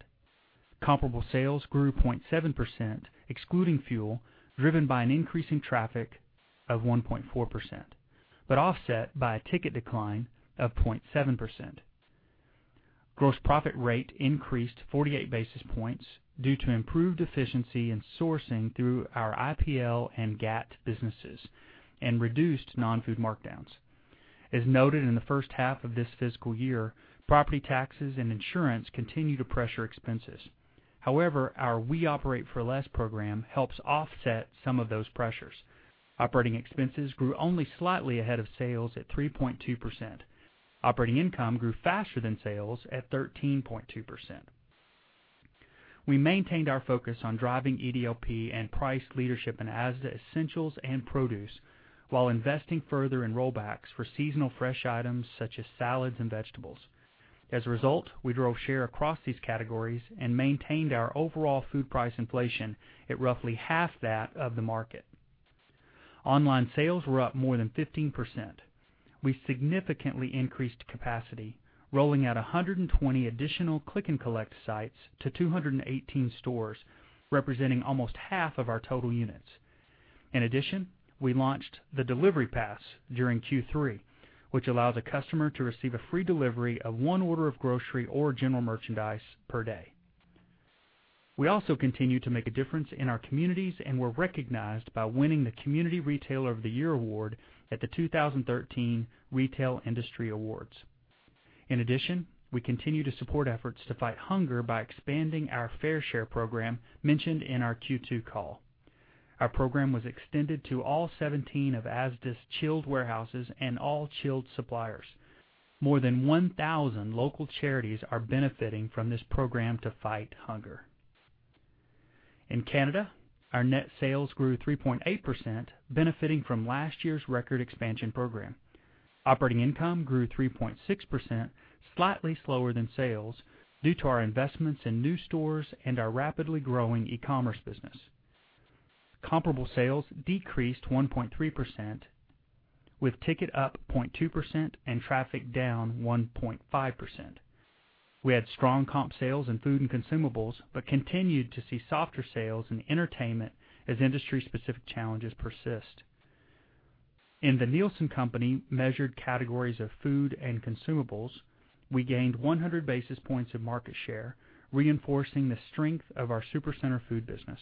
Comparable sales grew 0.7%, excluding fuel, driven by an increase in traffic of 1.4%, but offset by a ticket decline of 0.7%. Gross profit rate increased 48 basis points due to improved efficiency in sourcing through our IPL and GATT businesses and reduced non-food markdowns. As noted in the first half of this fiscal year, property taxes and insurance continue to pressure expenses. However, our We Operate For Less program helps offset some of those pressures. Operating expenses grew only slightly ahead of sales at 3.2%. Operating income grew faster than sales at 13.2%. We maintained our focus on driving EDLP and price leadership in Asda Essentials and Produce while investing further in rollbacks for seasonal fresh items such as salads and vegetables. As a result, we drove share across these categories and maintained our overall food price inflation at roughly half that of the market. Online sales were up more than 15%. We significantly increased capacity, rolling out 120 additional click and collect sites to 218 stores, representing almost half of our total units. In addition, we launched the Delivery Pass during Q3, which allows a customer to receive a free delivery of one order of grocery or general merchandise per day. We also continue to make a difference in our communities and were recognized by winning the Community Retailer of the Year award at the 2013 Retail Industry Awards. In addition, we continue to support efforts to fight hunger by expanding our Fair Share program mentioned in our Q2 call. Our program was extended to all 17 of Asda's chilled warehouses and all chilled suppliers. More than 1,000 local charities are benefiting from this program to fight hunger. In Canada, our net sales grew 3.8%, benefiting from last year's record expansion program. Operating income grew 3.6%, slightly slower than sales due to our investments in new stores and our rapidly growing e-commerce business. Comparable sales decreased 1.3%, with ticket up 0.2% and traffic down 1.5%. We had strong comp sales in food and consumables, but continued to see softer sales in entertainment as industry-specific challenges persist. In The Nielsen Company-measured categories of food and consumables, we gained 100 basis points of market share, reinforcing the strength of our Supercenter food business.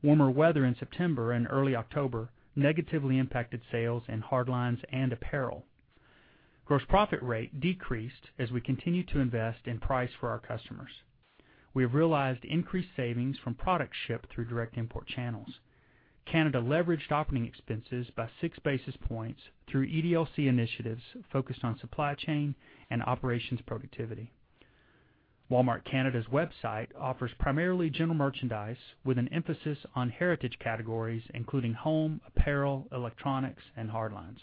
Warmer weather in September and early October negatively impacted sales in hard lines and apparel. Gross profit rate decreased as we continued to invest in price for our customers. We have realized increased savings from products shipped through direct import channels. Canada leveraged operating expenses by six basis points through EDLC initiatives focused on supply chain and operations productivity. Walmart Canada's website offers primarily general merchandise with an emphasis on heritage categories including home, apparel, electronics, and hard lines.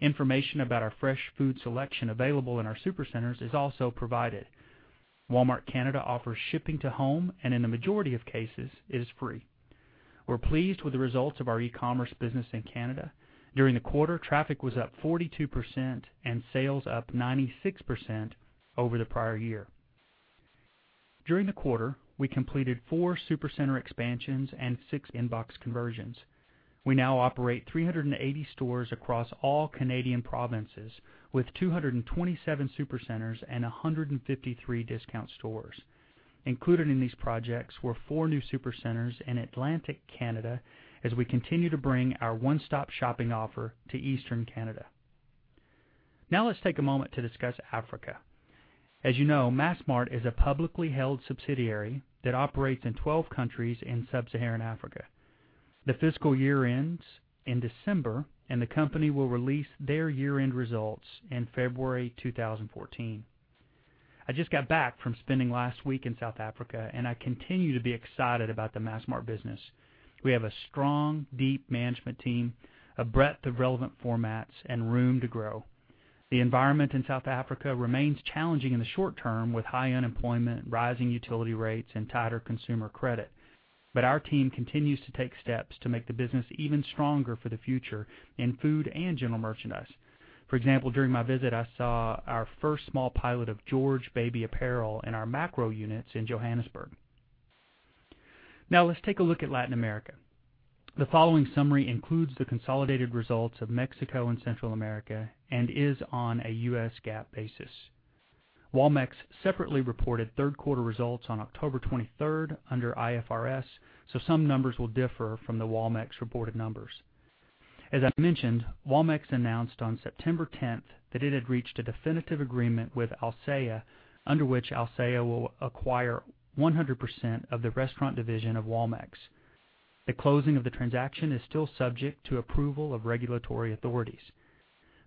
Information about our fresh food selection available in our Supercenters is also provided. Walmart Canada offers shipping to home, and in the majority of cases it is free. We're pleased with the results of our e-commerce business in Canada. During the quarter, traffic was up 42% and sales up 96% over the prior year. During the quarter, we completed four Supercenter expansions and six in-box conversions. We now operate 380 stores across all Canadian provinces, with 227 Supercenters and 153 discount stores. Included in these projects were four new Supercenters in Atlantic Canada as we continue to bring our one-stop shopping offer to Eastern Canada. Let's take a moment to discuss Africa. As you know, Massmart is a publicly held subsidiary that operates in 12 countries in sub-Saharan Africa. The fiscal year ends in December, and the company will release their year-end results in February 2014. I just got back from spending last week in South Africa, and I continue to be excited about the Massmart business. We have a strong, deep management team, a breadth of relevant formats, and room to grow. The environment in South Africa remains challenging in the short term with high unemployment, rising utility rates, and tighter consumer credit. Our team continues to take steps to make the business even stronger for the future in food and general merchandise. For example, during my visit, I saw our first small pilot of George baby apparel in our Makro units in Johannesburg. Let's take a look at Latin America. The following summary includes the consolidated results of Mexico and Central America and is on a U.S. GAAP basis. Walmex separately reported third-quarter results on October 23 under IFRS, so some numbers will differ from the Walmex-reported numbers. As I mentioned, Walmex announced on September 10 that it had reached a definitive agreement with Alsea under which Alsea will acquire 100% of the restaurant division of Walmex. The closing of the transaction is still subject to approval of regulatory authorities.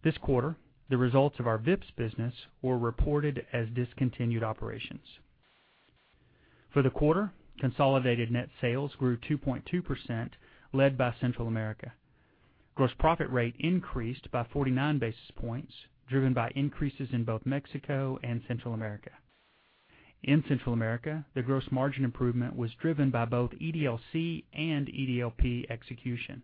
This quarter, the results of our Vips business were reported as discontinued operations. For the quarter, consolidated net sales grew 2.2%, led by Central America. Gross profit rate increased by 49 basis points, driven by increases in both Mexico and Central America. In Central America, the gross margin improvement was driven by both EDLC and EDLP execution.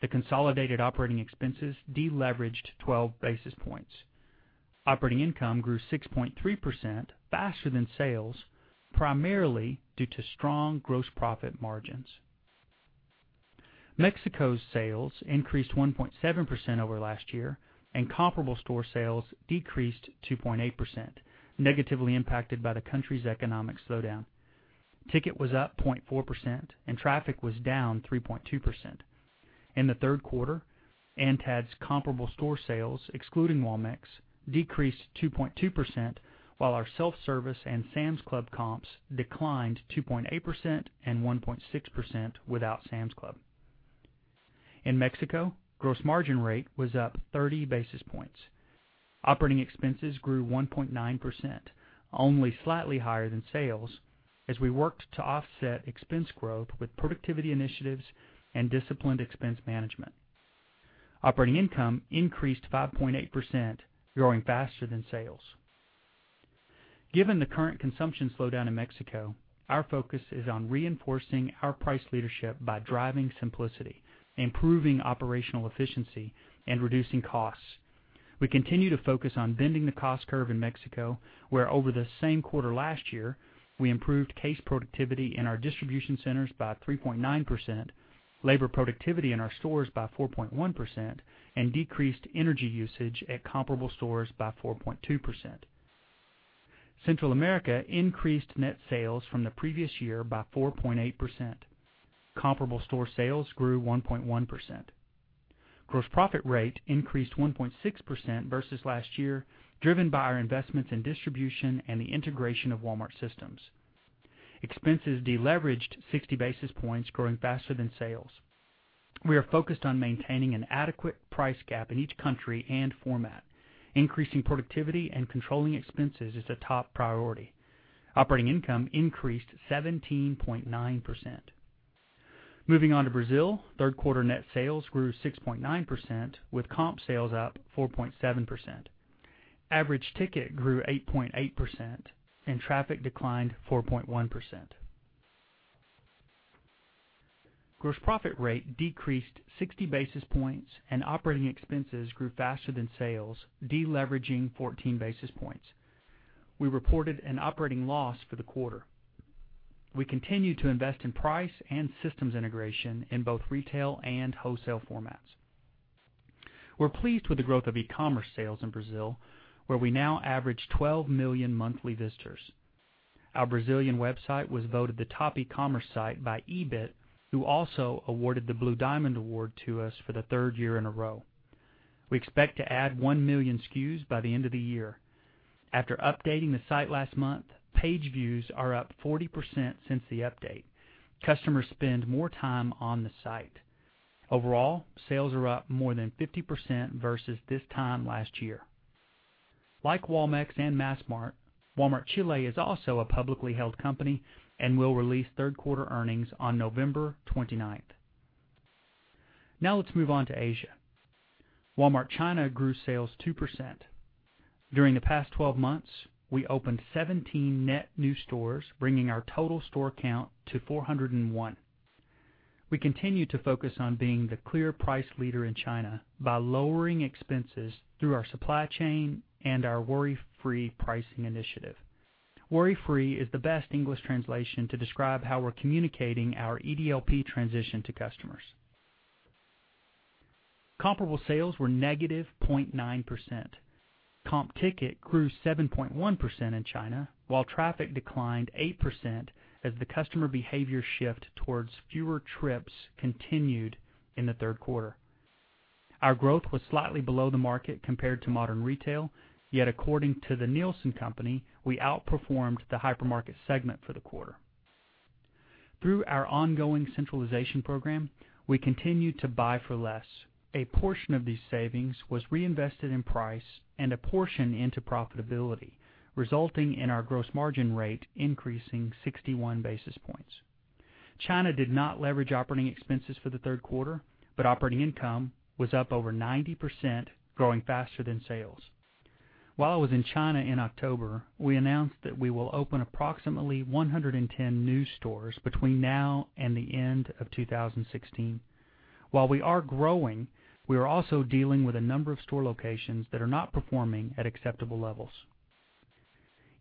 The consolidated operating expenses deleveraged 12 basis points. Operating income grew 6.3%, faster than sales, primarily due to strong gross profit margins. Mexico's sales increased 1.7% over last year, and comparable store sales decreased 2.8%, negatively impacted by the country's economic slowdown. Ticket was up 0.4% and traffic was down 3.2%. In the third quarter, ANTAD's comparable store sales, excluding Walmex, decreased 2.2%, while our self-service and Sam's Club comps declined 2.8% and 1.6% without Sam's Club. In Mexico, gross margin rate was up 30 basis points. Operating expenses grew 1.9%, only slightly higher than sales, as we worked to offset expense growth with productivity initiatives and disciplined expense management. Operating income increased 5.8%, growing faster than sales. Given the current consumption slowdown in Mexico, our focus is on reinforcing our price leadership by driving simplicity, improving operational efficiency, and reducing costs. We continue to focus on bending the cost curve in Mexico, where over the same quarter last year, we improved case productivity in our distribution centers by 3.9%, labor productivity in our stores by 4.1%, and decreased energy usage at comparable stores by 4.2%. Central America increased net sales from the previous year by 4.8%. Comparable store sales grew 1.1%. Gross profit rate increased 1.6% versus last year, driven by our investments in distribution and the integration of Walmart systems. Expenses deleveraged 60 basis points, growing faster than sales. We are focused on maintaining an adequate price gap in each country and format. Increasing productivity and controlling expenses is a top priority. Operating income increased 17.9%. Moving on to Brazil, third quarter net sales grew 6.9%, with comp sales up 4.7%. Average ticket grew 8.8%, and traffic declined 4.1%. Gross profit rate decreased 60 basis points, and operating expenses grew faster than sales, deleveraging 14 basis points. We reported an operating loss for the quarter. We continue to invest in price and systems integration in both retail and wholesale formats. We're pleased with the growth of e-commerce sales in Brazil, where we now average 12 million monthly visitors. Our Brazilian website was voted the top e-commerce site by Ebit, who also awarded the Blue Diamond Award to us for the third year in a row. We expect to add 1 million SKUs by the end of the year. After updating the site last month, page views are up 40% since the update. Customers spend more time on the site. Overall, sales are up more than 50% versus this time last year. Like Walmex and Massmart, Walmart Chile is also a publicly held company and will release third-quarter earnings on November 29th. Now let's move on to Asia. Walmart China grew sales 2%. During the past 12 months, we opened 17 net new stores, bringing our total store count to 401. We continue to focus on being the clear price leader in China by lowering expenses through our supply chain and our Worry-Free pricing initiative. Worry-Free is the best English translation to describe how we're communicating our EDLP transition to customers. Comparable sales were negative 0.9%. Comp ticket grew 7.1% in China, while traffic declined 8% as the customer behavior shift towards fewer trips continued in the third quarter. Our growth was slightly below the market compared to modern retail, yet according to The Nielsen Company, we outperformed the hypermarket segment for the quarter. Through our ongoing centralization program, we continue to buy for less. A portion of these savings was reinvested in price and a portion into profitability, resulting in our gross margin rate increasing 61 basis points. China did not leverage operating expenses for the third quarter, but operating income was up over 90%, growing faster than sales. While I was in China in October, we announced that we will open approximately 110 new stores between now and the end of 2016. While we are growing, we are also dealing with a number of store locations that are not performing at acceptable levels.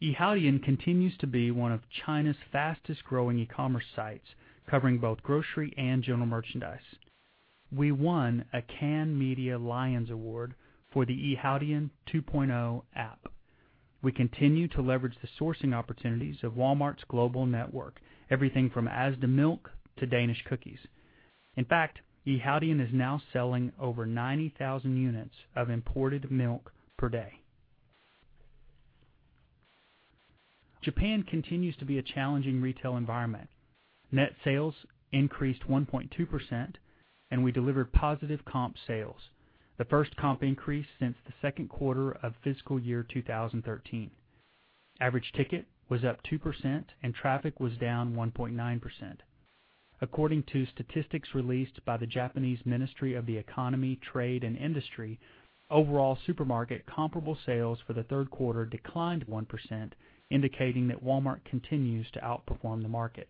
Yihaodian continues to be one of China's fastest-growing e-commerce sites, covering both grocery and general merchandise. We won a Cannes Media Lions award for the Yihaodian 2.0 app. We continue to leverage the sourcing opportunities of Walmart's global network, everything from Asda milk to Danish cookies. In fact, Yihaodian is now selling over 90,000 units of imported milk per day. Japan continues to be a challenging retail environment. Net sales increased 1.2%, and we delivered positive comp sales, the first comp increase since the second quarter of fiscal year 2013. Average ticket was up 2%, and traffic was down 1.9%. According to statistics released by the Japanese Ministry of Economy, Trade and Industry, overall supermarket comparable sales for the third quarter declined 1%, indicating that Walmart continues to outperform the market.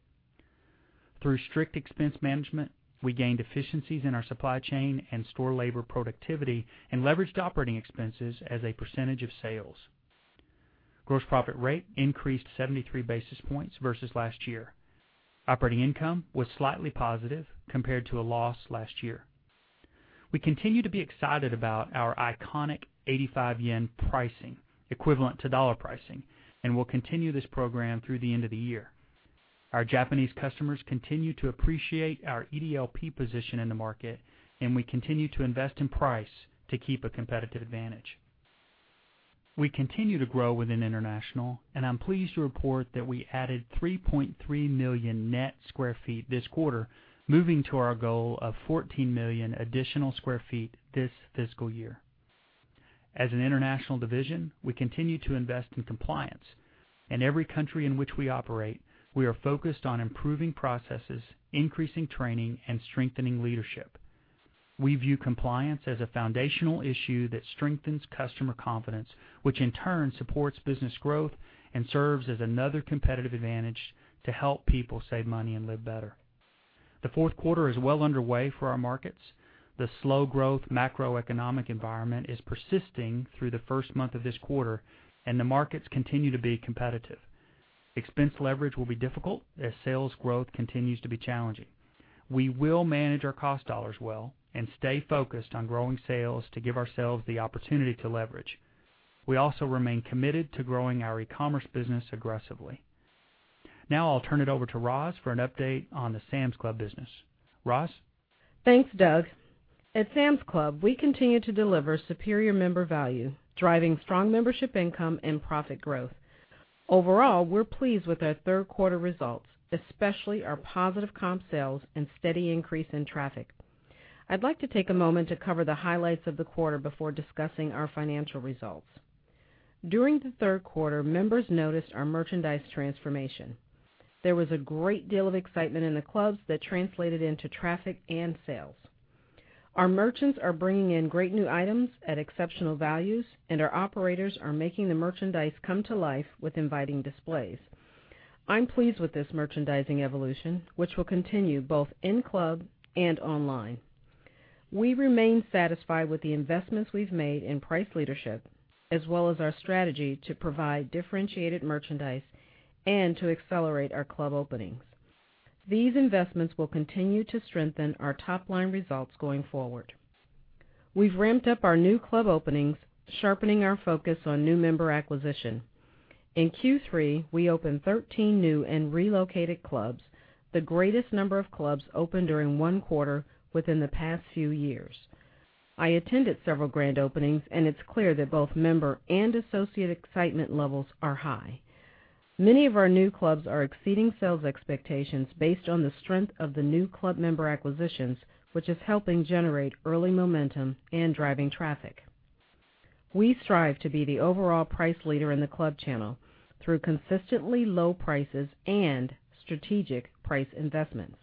Through strict expense management, we gained efficiencies in our supply chain and store labor productivity and leveraged operating expenses as a percentage of sales. Gross profit rate increased 73 basis points versus last year. Operating income was slightly positive compared to a loss last year. We continue to be excited about our iconic 85 yen pricing, equivalent to dollar pricing, and we'll continue this program through the end of the year. Our Japanese customers continue to appreciate our EDLP position in the market, and we continue to invest in price to keep a competitive advantage. We continue to grow within international, and I'm pleased to report that we added 3.3 million net square feet this quarter, moving to our goal of 14 million additional square feet this fiscal year. As an international division, we continue to invest in compliance. In every country in which we operate, we are focused on improving processes, increasing training, and strengthening leadership. We view compliance as a foundational issue that strengthens customer confidence, which in turn supports business growth and serves as another competitive advantage to help people save money and live better. The fourth quarter is well underway for our markets. The slow growth macroeconomic environment is persisting through the first month of this quarter, and the markets continue to be competitive. Expense leverage will be difficult as sales growth continues to be challenging. We will manage our cost dollars well and stay focused on growing sales to give ourselves the opportunity to leverage. We also remain committed to growing our e-commerce business aggressively. Now I'll turn it over to Roz for an update on the Sam's Club business. Roz? Thanks, Doug. At Sam's Club, we continue to deliver superior member value, driving strong membership income and profit growth. Overall, we're pleased with our third quarter results, especially our positive comp sales and steady increase in traffic. I'd like to take a moment to cover the highlights of the quarter before discussing our financial results. During the third quarter, members noticed our merchandise transformation. There was a great deal of excitement in the clubs that translated into traffic and sales. Our merchants are bringing in great new items at exceptional values, and our operators are making the merchandise come to life with inviting displays. I'm pleased with this merchandising evolution, which will continue both in-club and online. We remain satisfied with the investments we've made in price leadership, as well as our strategy to provide differentiated merchandise and to accelerate our club openings. These investments will continue to strengthen our top-line results going forward. We've ramped up our new club openings, sharpening our focus on new member acquisition. In Q3, we opened 13 new and relocated clubs, the greatest number of clubs opened during one quarter within the past few years. I attended several grand openings, and it's clear that both member and associate excitement levels are high. Many of our new clubs are exceeding sales expectations based on the strength of the new club member acquisitions, which is helping generate early momentum and driving traffic. We strive to be the overall price leader in the club channel through consistently low prices and strategic price investments.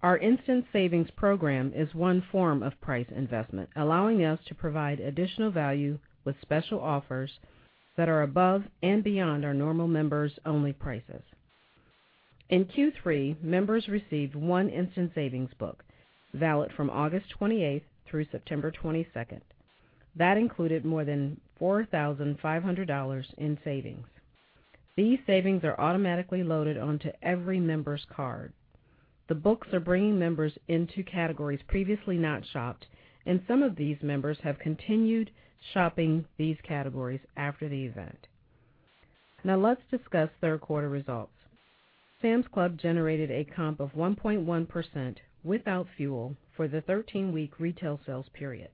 Our Instant Savings program is one form of price investment, allowing us to provide additional value with special offers that are above and beyond our normal members-only prices. In Q3, members received one Instant Savings book, valid from August 28th through September 22nd. That included more than $4,500 in savings. These savings are automatically loaded onto every member's card. The books are bringing members into categories previously not shopped, and some of these members have continued shopping these categories after the event. Now let's discuss third quarter results. Sam's Club generated a comp of 1.1% without fuel for the 13-week retail sales period.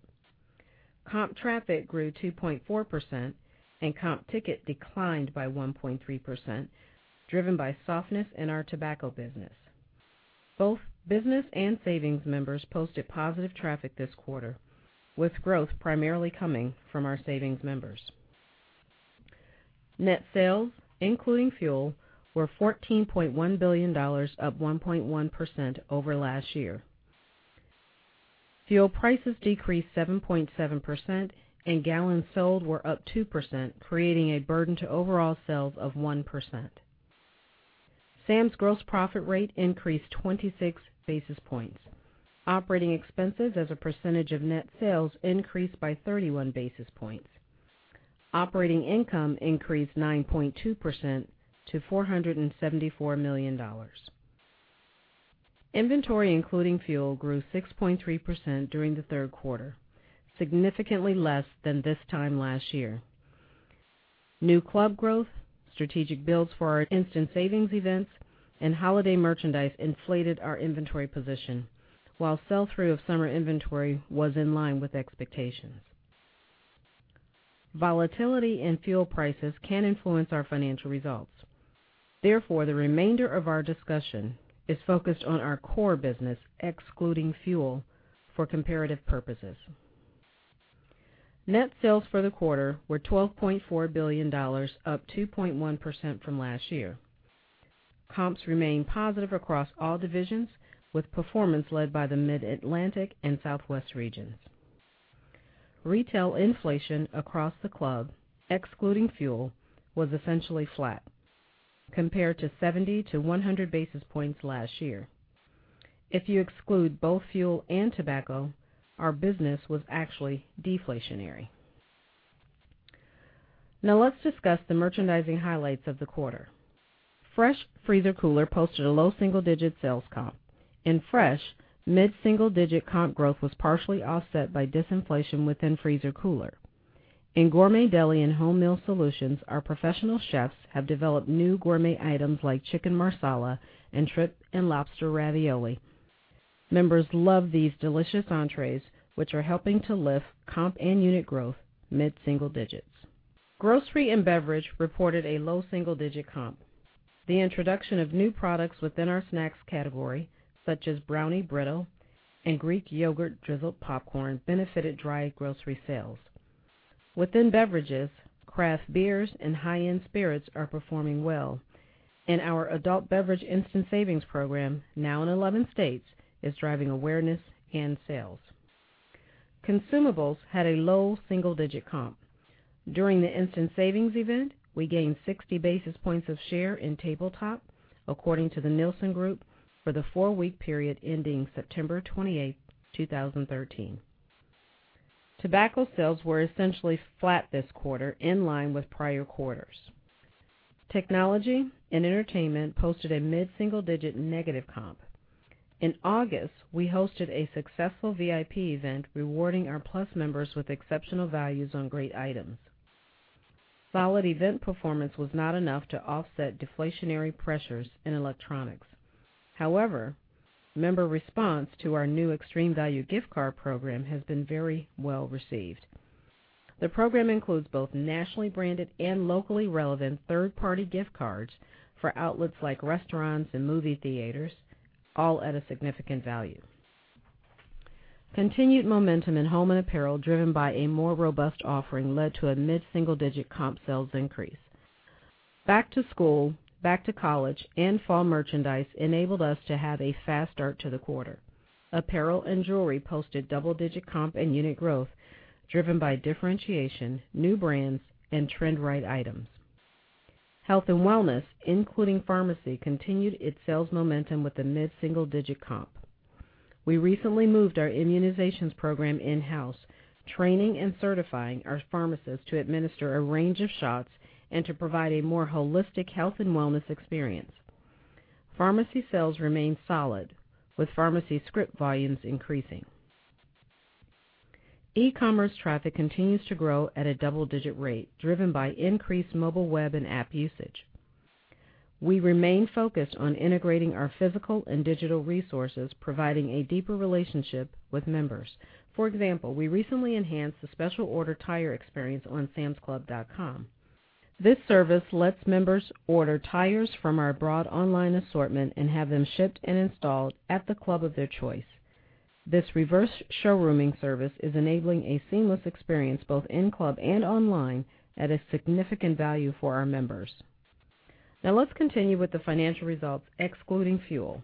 Comp traffic grew 2.4% and comp ticket declined by 1.3%, driven by softness in our tobacco business. Both business and savings members posted positive traffic this quarter, with growth primarily coming from our savings members. Net sales, including fuel, were $14.1 billion, up 1.1% over last year. Fuel prices decreased 7.7%, and gallons sold were up 2%, creating a burden to overall sales of 1%. Sam's gross profit rate increased 26 basis points. Operating expenses as a percentage of net sales increased by 31 basis points. Operating income increased 9.2% to $474 million. Inventory, including fuel, grew 6.3% during the third quarter, significantly less than this time last year. New club growth, strategic builds for our Instant Savings events, and holiday merchandise inflated our inventory position, while sell-through of summer inventory was in line with expectations. Volatility in fuel prices can influence our financial results. Therefore, the remainder of our discussion is focused on our core business, excluding fuel, for comparative purposes. Net sales for the quarter were $12.4 billion, up 2.1% from last year. Comps remained positive across all divisions, with performance led by the Mid-Atlantic and Southwest regions. Retail inflation across the club, excluding fuel, was essentially flat compared to 70 to 100 basis points last year. If you exclude both fuel and tobacco, our business was actually deflationary. Now let's discuss the merchandising highlights of the quarter. Fresh Freezer Cooler posted a low single-digit sales comp. In Fresh, mid-single-digit comp growth was partially offset by disinflation within Freezer Cooler. In Gourmet Deli and Home Meal Solutions, our professional chefs have developed new gourmet items like chicken marsala and shrimp and lobster ravioli. Members love these delicious entrees, which are helping to lift comp and unit growth mid-single digits. Grocery & Beverage reported a low single-digit comp. The introduction of new products within our snacks category, such as Brownie brittle and Greek yogurt drizzled popcorn, benefited dry grocery sales. Within beverages, craft beers and high-end spirits are performing well, and our adult beverage Instant Savings program, now in 11 states, is driving awareness and sales. Consumables had a low single-digit comp. During the Instant Savings event, we gained 60 basis points of share in tabletop, according to The Nielsen Company, for the four-week period ending September 28, 2013. Tobacco sales were essentially flat this quarter, in line with prior quarters. Technology and Entertainment posted a mid-single-digit negative comp. In August, we hosted a successful VIP event, rewarding our Plus members with exceptional values on great items. Solid event performance was not enough to offset deflationary pressures in electronics. Member response to our new Extreme Value Gift Card program has been very well-received. The program includes both nationally branded and locally relevant third-party gift cards for outlets like restaurants and movie theaters, all at a significant value. Continued momentum in Home and Apparel, driven by a more robust offering, led to a mid-single-digit comp sales increase. Back to school, back to college, and fall merchandise enabled us to have a fast start to the quarter. Apparel and Jewelry posted double-digit comp and unit growth, driven by differentiation, new brands, and trend right items. Health and Wellness, including pharmacy, continued its sales momentum with a mid-single-digit comp. We recently moved our immunizations program in-house, training and certifying our pharmacists to administer a range of shots and to provide a more holistic health and wellness experience. Pharmacy sales remained solid, with pharmacy script volumes increasing. E-commerce traffic continues to grow at a double-digit rate, driven by increased mobile web and app usage. We remain focused on integrating our physical and digital resources, providing a deeper relationship with members. For example, we recently enhanced the special order tire experience on samsclub.com. This service lets members order tires from our broad online assortment and have them shipped and installed at the club of their choice. This reverse showrooming service is enabling a seamless experience, both in-club and online, at a significant value for our members. Now let's continue with the financial results, excluding fuel.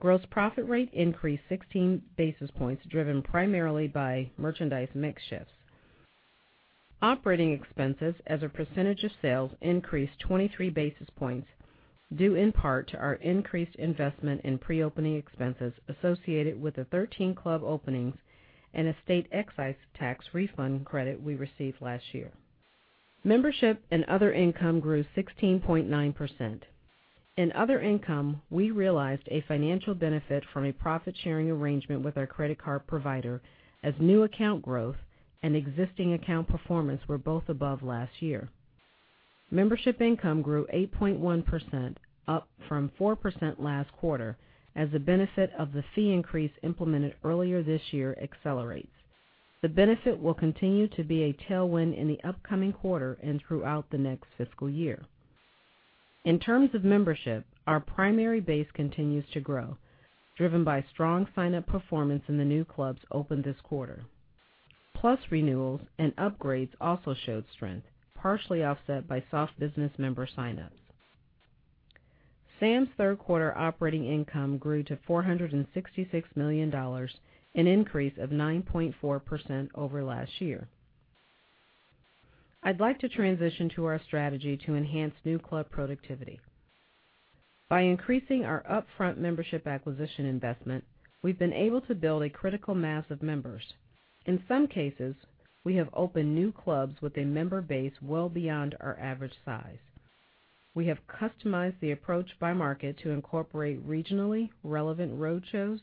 Gross profit rate increased 16 basis points, driven primarily by merchandise mix shifts. Operating expenses as a percentage of sales increased 23 basis points, due in part to our increased investment in pre-opening expenses associated with the 13 club openings and a state excise tax refund credit we received last year. Membership and other income grew 16.9%. In other income, we realized a financial benefit from a profit-sharing arrangement with our credit card provider, as new account growth and existing account performance were both above last year. Membership income grew 8.1%, up from 4% last quarter, as the benefit of the fee increase implemented earlier this year accelerates. The benefit will continue to be a tailwind in the upcoming quarter and throughout the next fiscal year. In terms of membership, our primary base continues to grow, driven by strong signup performance in the new clubs opened this quarter. Plus, renewals and upgrades also showed strength, partially offset by soft business member signups. Sam's third quarter operating income grew to $466 million, an increase of 9.4% over last year. I'd like to transition to our strategy to enhance new club productivity. By increasing our upfront membership acquisition investment, we've been able to build a critical mass of members. In some cases, we have opened new clubs with a member base well beyond our average size. We have customized the approach by market to incorporate regionally relevant road shows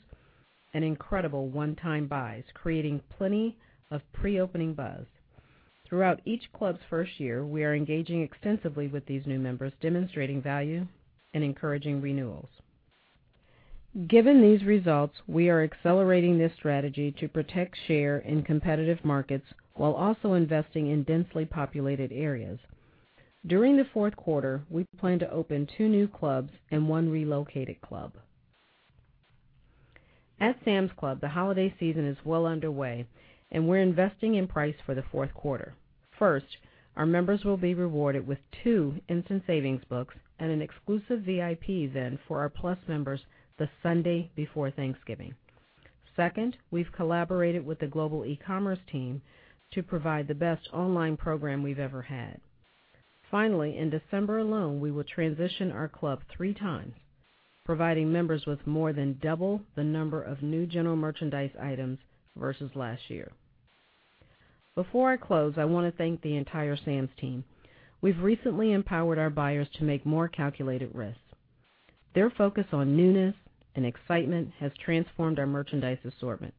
and incredible one-time buys, creating plenty of pre-opening buzz. Throughout each club's first year, we are engaging extensively with these new members, demonstrating value and encouraging renewals. Given these results, we are accelerating this strategy to protect share in competitive markets while also investing in densely populated areas. During the fourth quarter, we plan to open two new clubs and one relocated club. At Sam's Club, the holiday season is well underway, and we're investing in price for the fourth quarter. First, our members will be rewarded with two Instant Savings books and an exclusive VIP event for our Plus members the Sunday before Thanksgiving. Second, we've collaborated with the global e-commerce team to provide the best online program we've ever had. Finally, in December alone, we will transition our club three times, providing members with more than double the number of new general merchandise items versus last year. Before I close, I want to thank the entire Sam's team. We've recently empowered our buyers to make more calculated risks. Their focus on newness and excitement has transformed our merchandise assortment.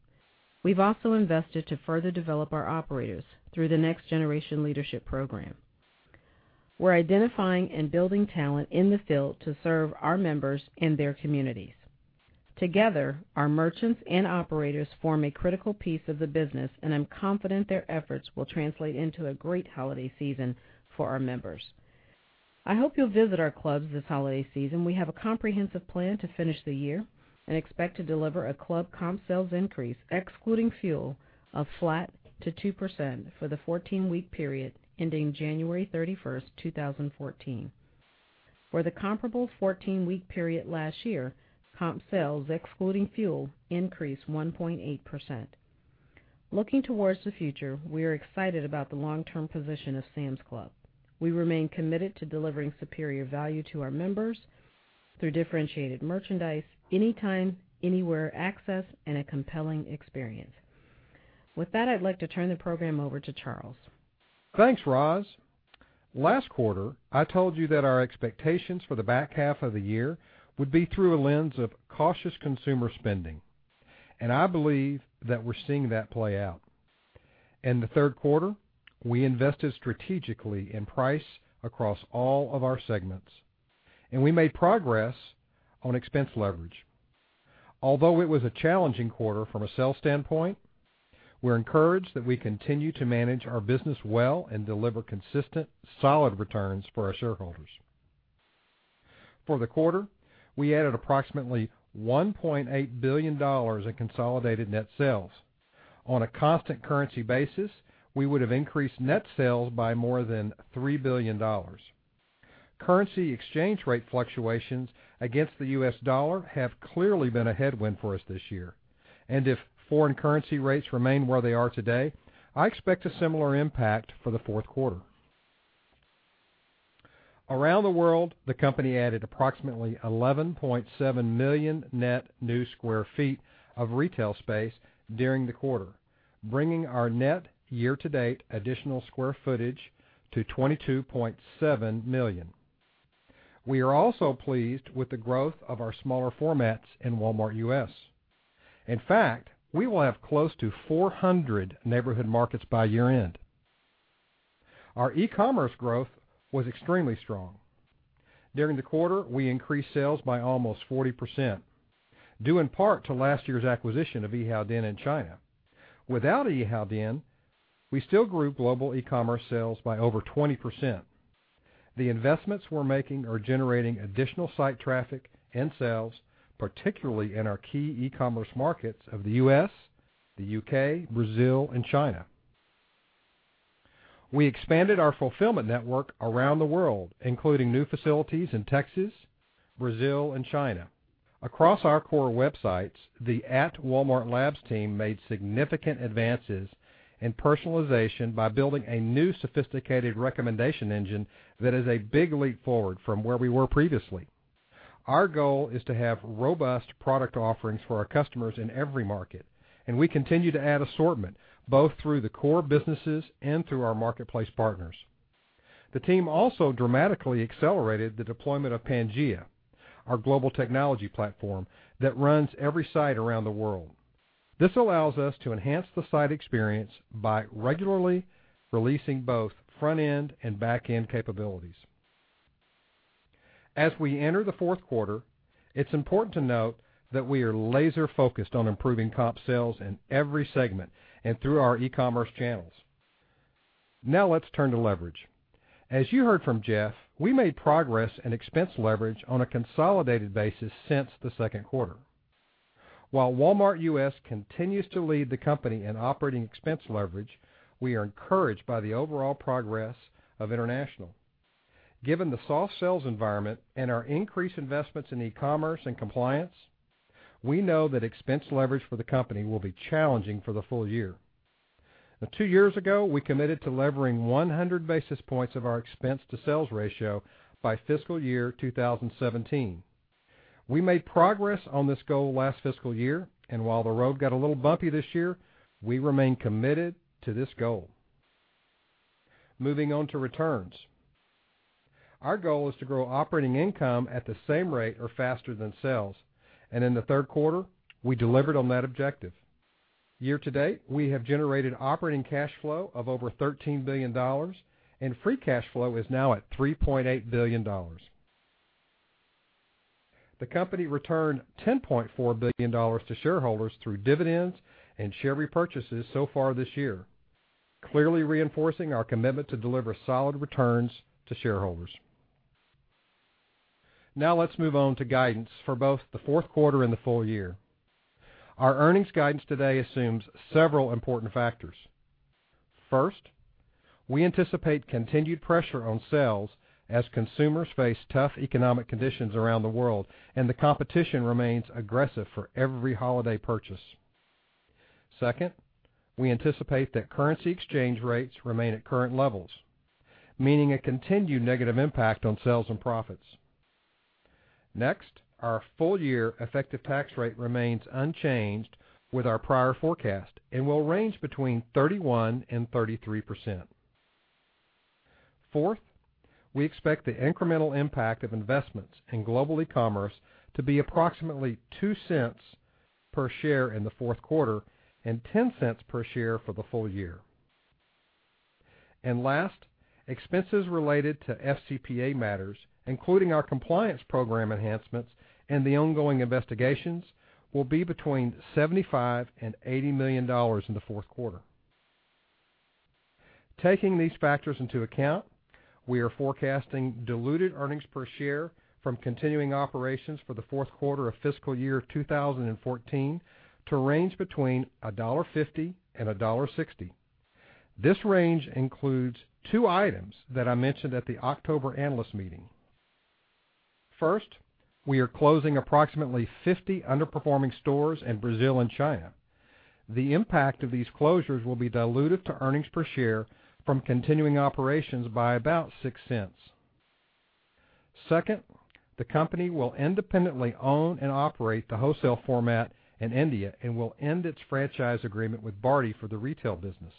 We've also invested to further develop our operators through the Next Generation Leadership Program. We're identifying and building talent in the field to serve our members in their communities. Together, our merchants and operators form a critical piece of the business, and I'm confident their efforts will translate into a great holiday season for our members. I hope you'll visit our clubs this holiday season. We have a comprehensive plan to finish the year and expect to deliver a club comp sales increase, excluding fuel, of flat to 2% for the 14-week period ending January 31st, 2014. For the comparable 14-week period last year, comp sales, excluding fuel, increased 1.8%. Looking towards the future, we are excited about the long-term position of Sam's Club. We remain committed to delivering superior value to our members through differentiated merchandise, anytime, anywhere access, and a compelling experience. With that, I'd like to turn the program over to Charles. Thanks, Roz. Last quarter, I told you that our expectations for the back half of the year would be through a lens of cautious consumer spending. I believe that we're seeing that play out. In the third quarter, we invested strategically in price across all of our segments, and we made progress on expense leverage. Although it was a challenging quarter from a sales standpoint, we're encouraged that we continue to manage our business well and deliver consistent, solid returns for our shareholders. For the quarter, we added approximately $1.8 billion in consolidated net sales. On a constant currency basis, we would have increased net sales by more than $3 billion. Currency exchange rate fluctuations against the U.S. dollar have clearly been a headwind for us this year, and if foreign currency rates remain where they are today, I expect a similar impact for the fourth quarter. Around the world, the company added approximately 11.7 million net new square feet of retail space during the quarter, bringing our net year-to-date additional square footage to 22.7 million. We are also pleased with the growth of our smaller formats in Walmart U.S. In fact, we will have close to 400 Neighborhood Markets by year-end. Our e-commerce growth was extremely strong. During the quarter, we increased sales by almost 40%, due in part to last year's acquisition of Yihaodian in China. Without Yihaodian, we still grew global e-commerce sales by over 20%. The investments we're making are generating additional site traffic and sales, particularly in our key e-commerce markets of the U.S., the U.K., Brazil, and China. We expanded our fulfillment network around the world, including new facilities in Texas, Brazil, and China. Across our core websites, the @WalmartLabs team made significant advances in personalization by building a new sophisticated recommendation engine that is a big leap forward from where we were previously. Our goal is to have robust product offerings for our customers in every market, and we continue to add assortment both through the core businesses and through our marketplace partners. The team also dramatically accelerated the deployment of Pangea, our global technology platform that runs every site around the world. This allows us to enhance the site experience by regularly releasing both front-end and back-end capabilities. As we enter the fourth quarter, it's important to note that we are laser-focused on improving comp sales in every segment and through our e-commerce channels. Now let's turn to leverage. As you heard from Jeff, we made progress in expense leverage on a consolidated basis since the second quarter. While Walmart U.S. continues to lead the company in operating expense leverage, we are encouraged by the overall progress of international. Given the soft sales environment and our increased investments in e-commerce and compliance, we know that expense leverage for the company will be challenging for the full year. Two years ago, we committed to levering 100 basis points of our expense-to-sales ratio by fiscal year 2017. We made progress on this goal last fiscal year, and while the road got a little bumpy this year, we remain committed to this goal. Moving on to returns. Our goal is to grow operating income at the same rate or faster than sales, and in the third quarter, we delivered on that objective. Year to date, we have generated operating cash flow of over $13 billion, and free cash flow is now at $3.8 billion. The company returned $10.4 billion to shareholders through dividends and share repurchases so far this year, clearly reinforcing our commitment to deliver solid returns to shareholders. Let's move on to guidance for both the fourth quarter and the full year. Our earnings guidance today assumes several important factors. First, we anticipate continued pressure on sales as consumers face tough economic conditions around the world and the competition remains aggressive for every holiday purchase. Second, we anticipate that currency exchange rates remain at current levels, meaning a continued negative impact on sales and profits. Our full-year effective tax rate remains unchanged with our prior forecast and will range between 31%-33%. Fourth, we expect the incremental impact of investments in global e-commerce to be approximately $0.02 per share in the fourth quarter and $0.10 per share for the full year. Last, expenses related to FCPA matters, including our compliance program enhancements and the ongoing investigations, will be between $75 million-$80 million in the fourth quarter. Taking these factors into account, we are forecasting diluted earnings per share from continuing operations for the fourth quarter of fiscal year 2014 to range between $1.50-$1.60. This range includes two items that I mentioned at the October analyst meeting. First, we are closing approximately 50 underperforming stores in Brazil and China. The impact of these closures will be dilutive to earnings per share from continuing operations by about $0.06. Second, the company will independently own and operate the wholesale format in India and will end its franchise agreement with Bharti for the retail business.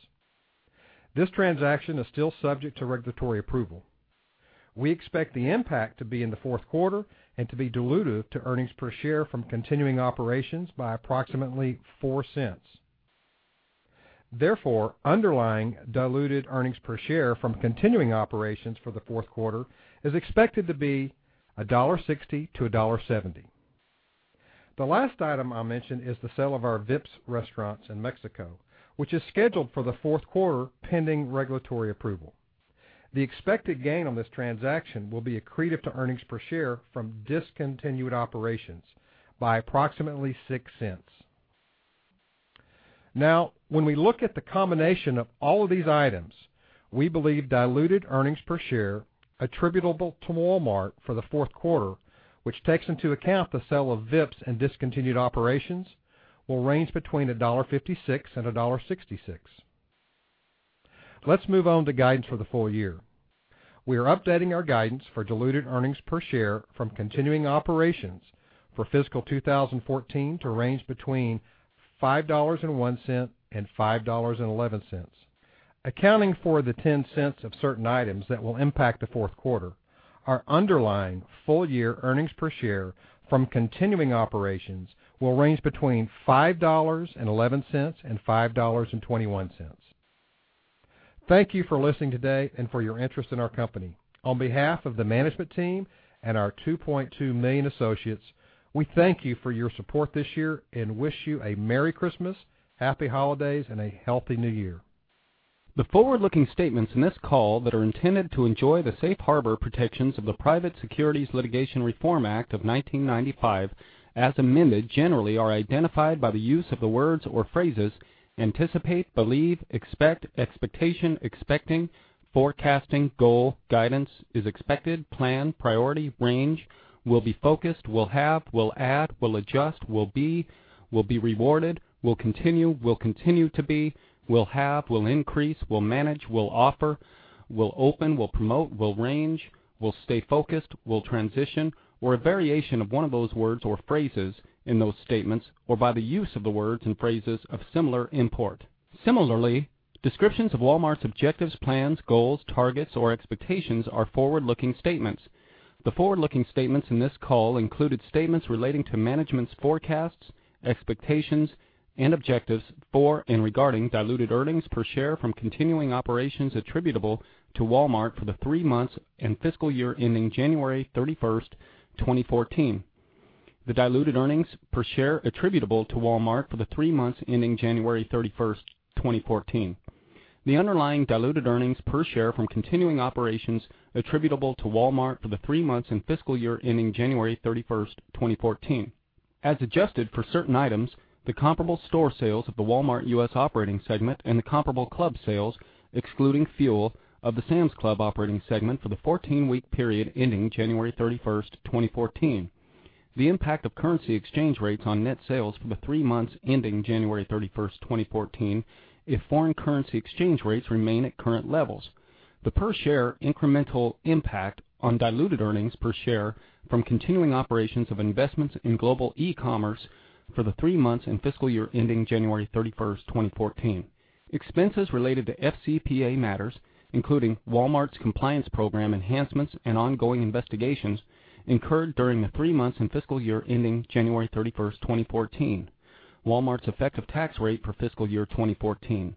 This transaction is still subject to regulatory approval. We expect the impact to be in the fourth quarter and to be dilutive to earnings per share from continuing operations by approximately $0.04. Underlying diluted earnings per share from continuing operations for the fourth quarter is expected to be $1.60-$1.70. The last item I'll mention is the sale of our Vips restaurants in Mexico, which is scheduled for the fourth quarter, pending regulatory approval. The expected gain on this transaction will be accretive to earnings per share from discontinued operations by approximately $0.06. When we look at the combination of all of these items, we believe diluted earnings per share attributable to Walmart for the fourth quarter, which takes into account the sale of Vips and discontinued operations, will range between $1.56-$1.66. Let's move on to guidance for the full year. We are updating our guidance for diluted earnings per share from continuing operations for fiscal 2014 to range between $5.01-$5.11. Accounting for the $0.10 of certain items that will impact the fourth quarter, our underlying full-year earnings per share from continuing operations will range between $5.11-$5.21. Thank you for listening today and for your interest in our company. On behalf of the management team and our 2.2 million associates, we thank you for your support this year and wish you a Merry Christmas, happy holidays, and a healthy new year. The forward-looking statements in this call that are intended to enjoy the safe harbor protections of the Private Securities Litigation Reform Act of 1995, as amended, generally are identified by the use of the words or phrases anticipate, believe, expect, expectation, expecting, forecasting, goal, guidance, is expected, plan, priority, range, will be focused, will have, will add, will adjust, will be, will be rewarded, will continue, will continue to be, will have, will increase, will manage, will offer, will open, will promote, will range, will stay focused, will transition, or a variation of one of those words or phrases in those statements, or by the use of the words and phrases of similar import. Similarly, descriptions of Walmart's objectives, plans, goals, targets, or expectations are forward-looking statements. The forward-looking statements in this call included statements relating to management's forecasts, expectations, and objectives for and regarding diluted earnings per share from continuing operations attributable to Walmart for the three months and fiscal year ending January 31st, 2014. The diluted earnings per share attributable to Walmart for the three months ending January 31st, 2014. The underlying diluted earnings per share from continuing operations attributable to Walmart for the three months and fiscal year ending January 31st, 2014. As adjusted for certain items, the comparable store sales of the Walmart U.S. operating segment and the comparable club sales, excluding fuel, of the Sam's Club operating segment for the 14-week period ending January 31st, 2014. The impact of currency exchange rates on net sales for the three months ending January 31st, 2014, if foreign currency exchange rates remain at current levels. The per-share incremental impact on diluted earnings per share from continuing operations of investments in global e-commerce for the three months and fiscal year ending January 31st, 2014. Expenses related to FCPA matters, including Walmart's compliance program enhancements and ongoing investigations incurred during the three months and fiscal year ending January 31st, 2014. Walmart's effective tax rate for fiscal year 2014.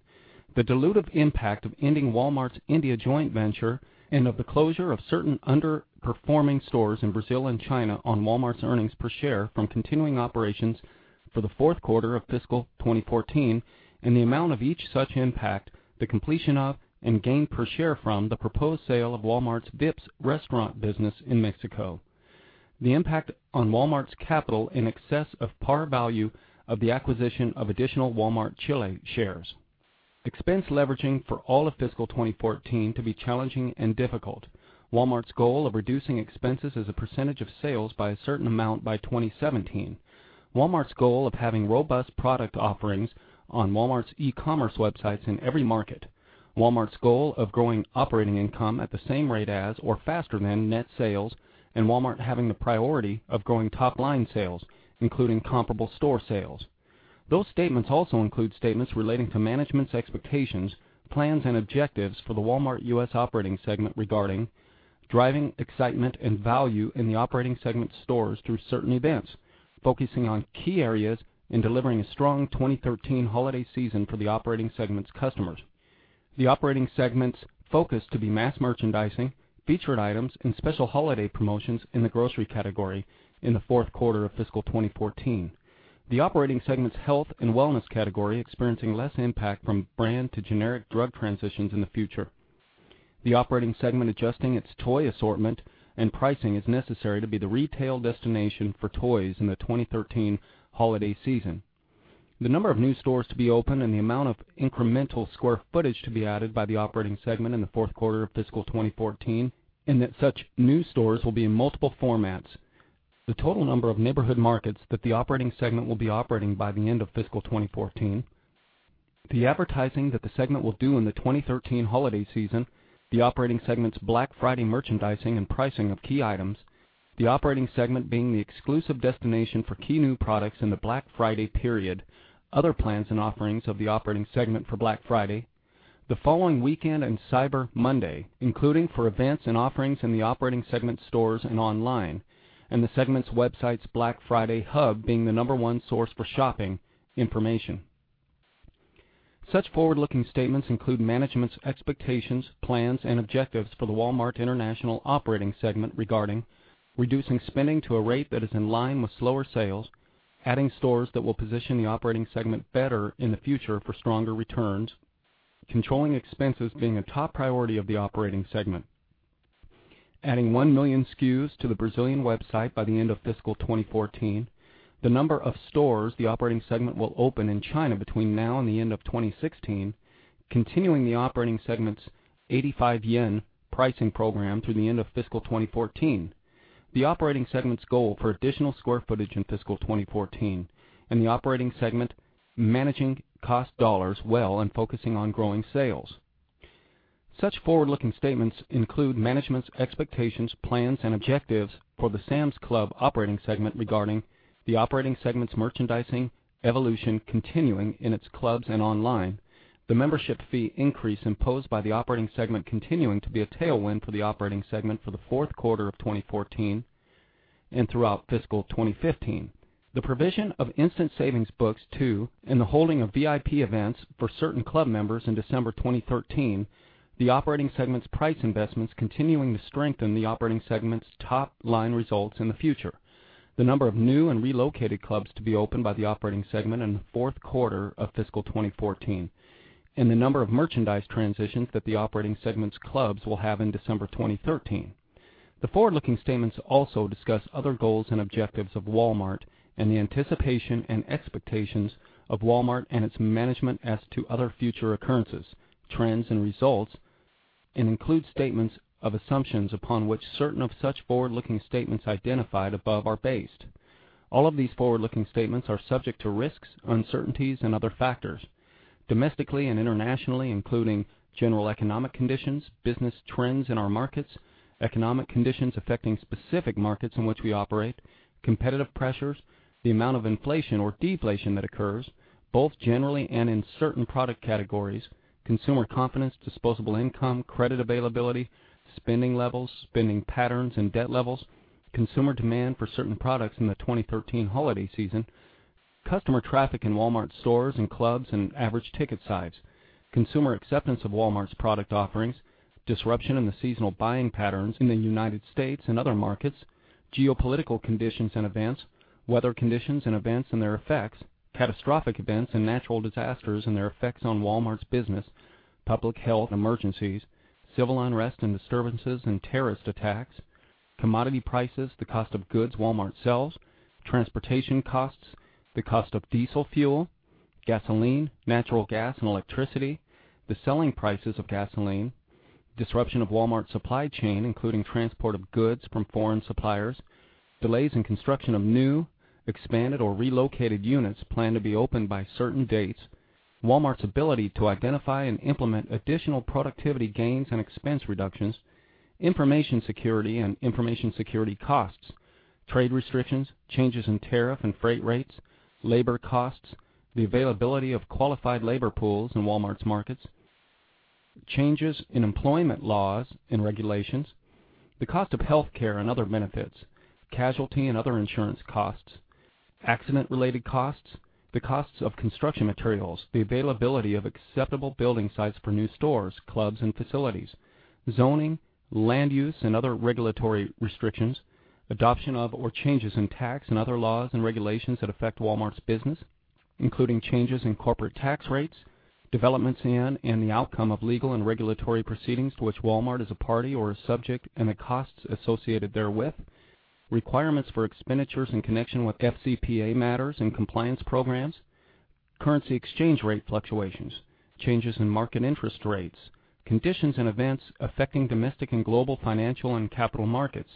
The dilutive impact of ending Walmart's India joint venture and of the closure of certain underperforming stores in Brazil and China on Walmart's earnings per share from continuing operations for the fourth quarter of fiscal 2014, and the amount of each such impact, the completion of and gain per share from the proposed sale of Walmart's Vips restaurant business in Mexico. The impact on Walmart's capital in excess of par value of the acquisition of additional Walmart Chile shares. Expense leveraging for all of fiscal 2014 to be challenging and difficult. Walmart's goal of reducing expenses as a percentage of sales by a certain amount by 2017. Walmart's goal of having robust product offerings on Walmart's e-commerce websites in every market. Walmart's goal of growing operating income at the same rate as or faster than net sales, Walmart having the priority of growing top-line sales, including comparable store sales. Those statements also include statements relating to management's expectations, plans, and objectives for the Walmart U.S. operating segment regarding driving excitement and value in the operating segment stores through certain events. Focusing on key areas and delivering a strong 2013 holiday season for the operating segment's customers. The operating segment's focus to be mass merchandising, featured items, and special holiday promotions in the grocery category in the fourth quarter of fiscal 2014. The operating segment's health and wellness category experiencing less impact from brand to generic drug transitions in the future. The operating segment adjusting its toy assortment and pricing as necessary to be the retail destination for toys in the 2013 holiday season. The number of new stores to be opened and the amount of incremental square footage to be added by the operating segment in the fourth quarter of fiscal 2014, and that such new stores will be in multiple formats. The total number of Neighborhood Markets that the operating segment will be operating by the end of fiscal 2014. The advertising that the segment will do in the 2013 holiday season. The operating segment's Black Friday merchandising and pricing of key items. The operating segment being the exclusive destination for key new products in the Black Friday period. Other plans and offerings of the operating segment for Black Friday, the following weekend and Cyber Monday, including for events and offerings in the operating segment stores and online, and the segment's website's Black Friday hub being the number 1 source for shopping information. Such forward-looking statements include management's expectations, plans, and objectives for the Walmart International operating segment regarding reducing spending to a rate that is in line with slower sales, adding stores that will position the operating segment better in the future for stronger returns, controlling expenses being a top priority of the operating segment, adding 1 million SKUs to the Brazilian website by the end of fiscal 2014, the number of stores the operating segment will open in China between now and the end of 2016, continuing the operating segment's CNY 85 pricing program through the end of fiscal 2014, the operating segment's goal for additional square footage in fiscal 2014, and the operating segment managing cost dollars well and focusing on growing sales. Such forward-looking statements include management's expectations, plans, and objectives for the Sam's Club operating segment regarding the operating segment's merchandising evolution continuing in its clubs and online, the membership fee increase imposed by the operating segment continuing to be a tailwind for the operating segment for the fourth quarter of 2014 and throughout fiscal 2015. The provision of Instant Savings Books, too, and the holding of VIP events for certain club members in December 2013, the operating segment's price investments continuing to strengthen the operating segment's top-line results in the future, the number of new and relocated clubs to be opened by the operating segment in the fourth quarter of fiscal 2014, and the number of merchandise transitions that the operating segment's clubs will have in December 2013. The forward-looking statements also discuss other goals and objectives of Walmart and the anticipation and expectations of Walmart and its management as to other future occurrences, trends, and results, and includes statements of assumptions upon which certain of such forward-looking statements identified above are based. All of these forward-looking statements are subject to risks, uncertainties and other factors, domestically and internationally, including general economic conditions, business trends in our markets, economic conditions affecting specific markets in which we operate, competitive pressures, the amount of inflation or deflation that occurs, both generally and in certain product categories, consumer confidence, disposable income, credit availability, spending levels, spending patterns and debt levels, consumer demand for certain products in the 2013 holiday season, customer traffic in Walmart stores and clubs, and average ticket size, consumer acceptance of Walmart's product offerings, disruption in the seasonal buying patterns in the United States and other markets, geopolitical conditions and events, weather conditions and events and their effects, catastrophic events and natural disasters and their effects on Walmart's business, public health emergencies, civil unrest and disturbances and terrorist attacks, commodity prices, the cost of goods Walmart sells, transportation costs, the cost of diesel fuel, gasoline, natural gas and electricity, the selling prices of gasoline, disruption of Walmart's supply chain, including transport of goods from foreign suppliers, delays in construction of new, expanded, or relocated units planned to be opened by certain dates, Walmart's ability to identify and implement additional productivity gains and expense reductions, information security and information security costs, trade restrictions, changes in tariff and freight rates, labor costs, the availability of qualified labor pools in Walmart's markets, changes in employment laws and regulations, the cost of healthcare and other benefits, casualty and other insurance costs, accident-related costs, the costs of construction materials, the availability of acceptable building sites for new stores, clubs and facilities, zoning, land use and other regulatory restrictions, adoption of or changes in tax and other laws and regulations that affect Walmart's business, including changes in corporate tax rates, developments in and the outcome of legal and regulatory proceedings to which Walmart is a party or a subject and the costs associated therewith, requirements for expenditures in connection with FCPA matters and compliance programs, currency exchange rate fluctuations, changes in market interest rates, conditions and events affecting domestic and global financial and capital markets,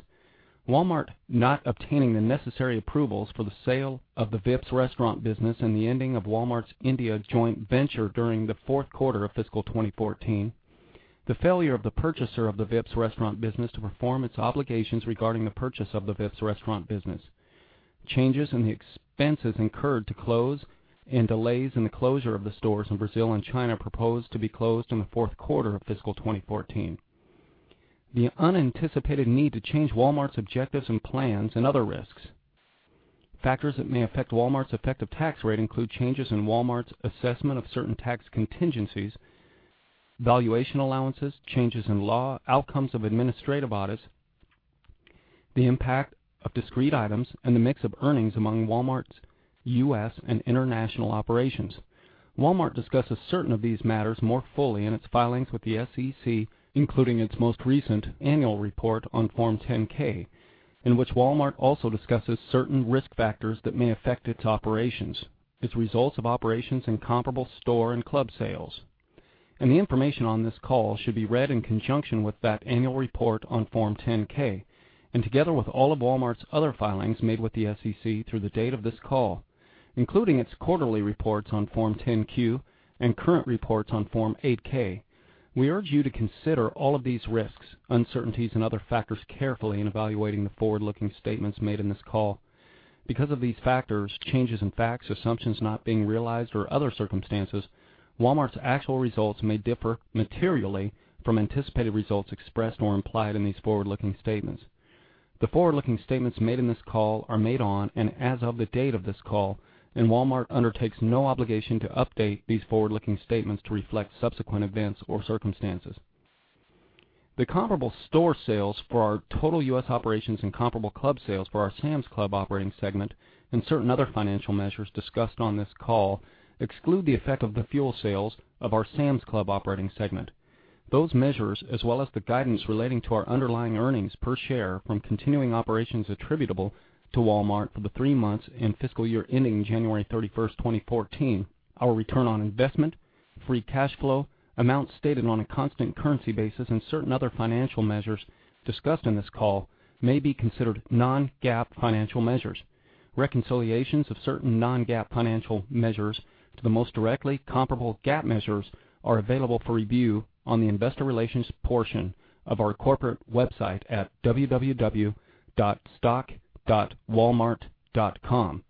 Walmart not obtaining the necessary approvals for the sale of the Vips restaurant business and the ending of Walmart's India joint venture during the fourth quarter of fiscal 2014, the failure of the purchaser of the Vips restaurant business to perform its obligations regarding the purchase of the Vips restaurant business, changes in the expenses incurred to close and delays in the closure of the stores in Brazil and China proposed to be closed in the fourth quarter of fiscal 2014, the unanticipated need to change Walmart's objectives and plans and other risks. Factors that may affect Walmart's effective tax rate include changes in Walmart's assessment of certain tax contingencies, valuation allowances, changes in law, outcomes of administrative audits, the impact of discrete items, and the mix of earnings among Walmart's U.S. and international operations. Walmart discusses certain of these matters more fully in its filings with the SEC, including its most recent annual report on Form 10-K, in which Walmart also discusses certain risk factors that may affect its operations, its results of operations and comparable store and club sales. The information on this call should be read in conjunction with that annual report on Form 10-K and together with all of Walmart's other filings made with the SEC through the date of this call, including its quarterly reports on Form 10-Q and current reports on Form 8-K. We urge you to consider all of these risks, uncertainties, and other factors carefully in evaluating the forward-looking statements made in this call. Because of these factors, changes in facts, assumptions not being realized or other circumstances, Walmart's actual results may differ materially from anticipated results expressed or implied in these forward-looking statements. The forward-looking statements made in this call are made on and as of the date of this call. Walmart undertakes no obligation to update these forward-looking statements to reflect subsequent events or circumstances. The comparable store sales for our total U.S. operations and comparable club sales for our Sam's Club operating segment and certain other financial measures discussed on this call exclude the effect of the fuel sales of our Sam's Club operating segment. Those measures, as well as the guidance relating to our underlying earnings per share from continuing operations attributable to Walmart for the three months and fiscal year ending January 31st, 2014, our return on investment, free cash flow, amounts stated on a constant currency basis, and certain other financial measures discussed in this call may be considered non-GAAP financial measures. Reconciliations of certain non-GAAP financial measures to the most directly comparable GAAP measures are available for review on the investor relations portion of our corporate website at www.stock.walmart.com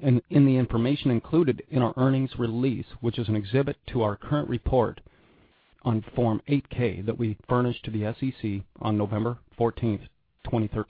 and in the information included in our earnings release, which is an exhibit to our current report on Form 8-K that we furnished to the SEC on November 14th, 2013.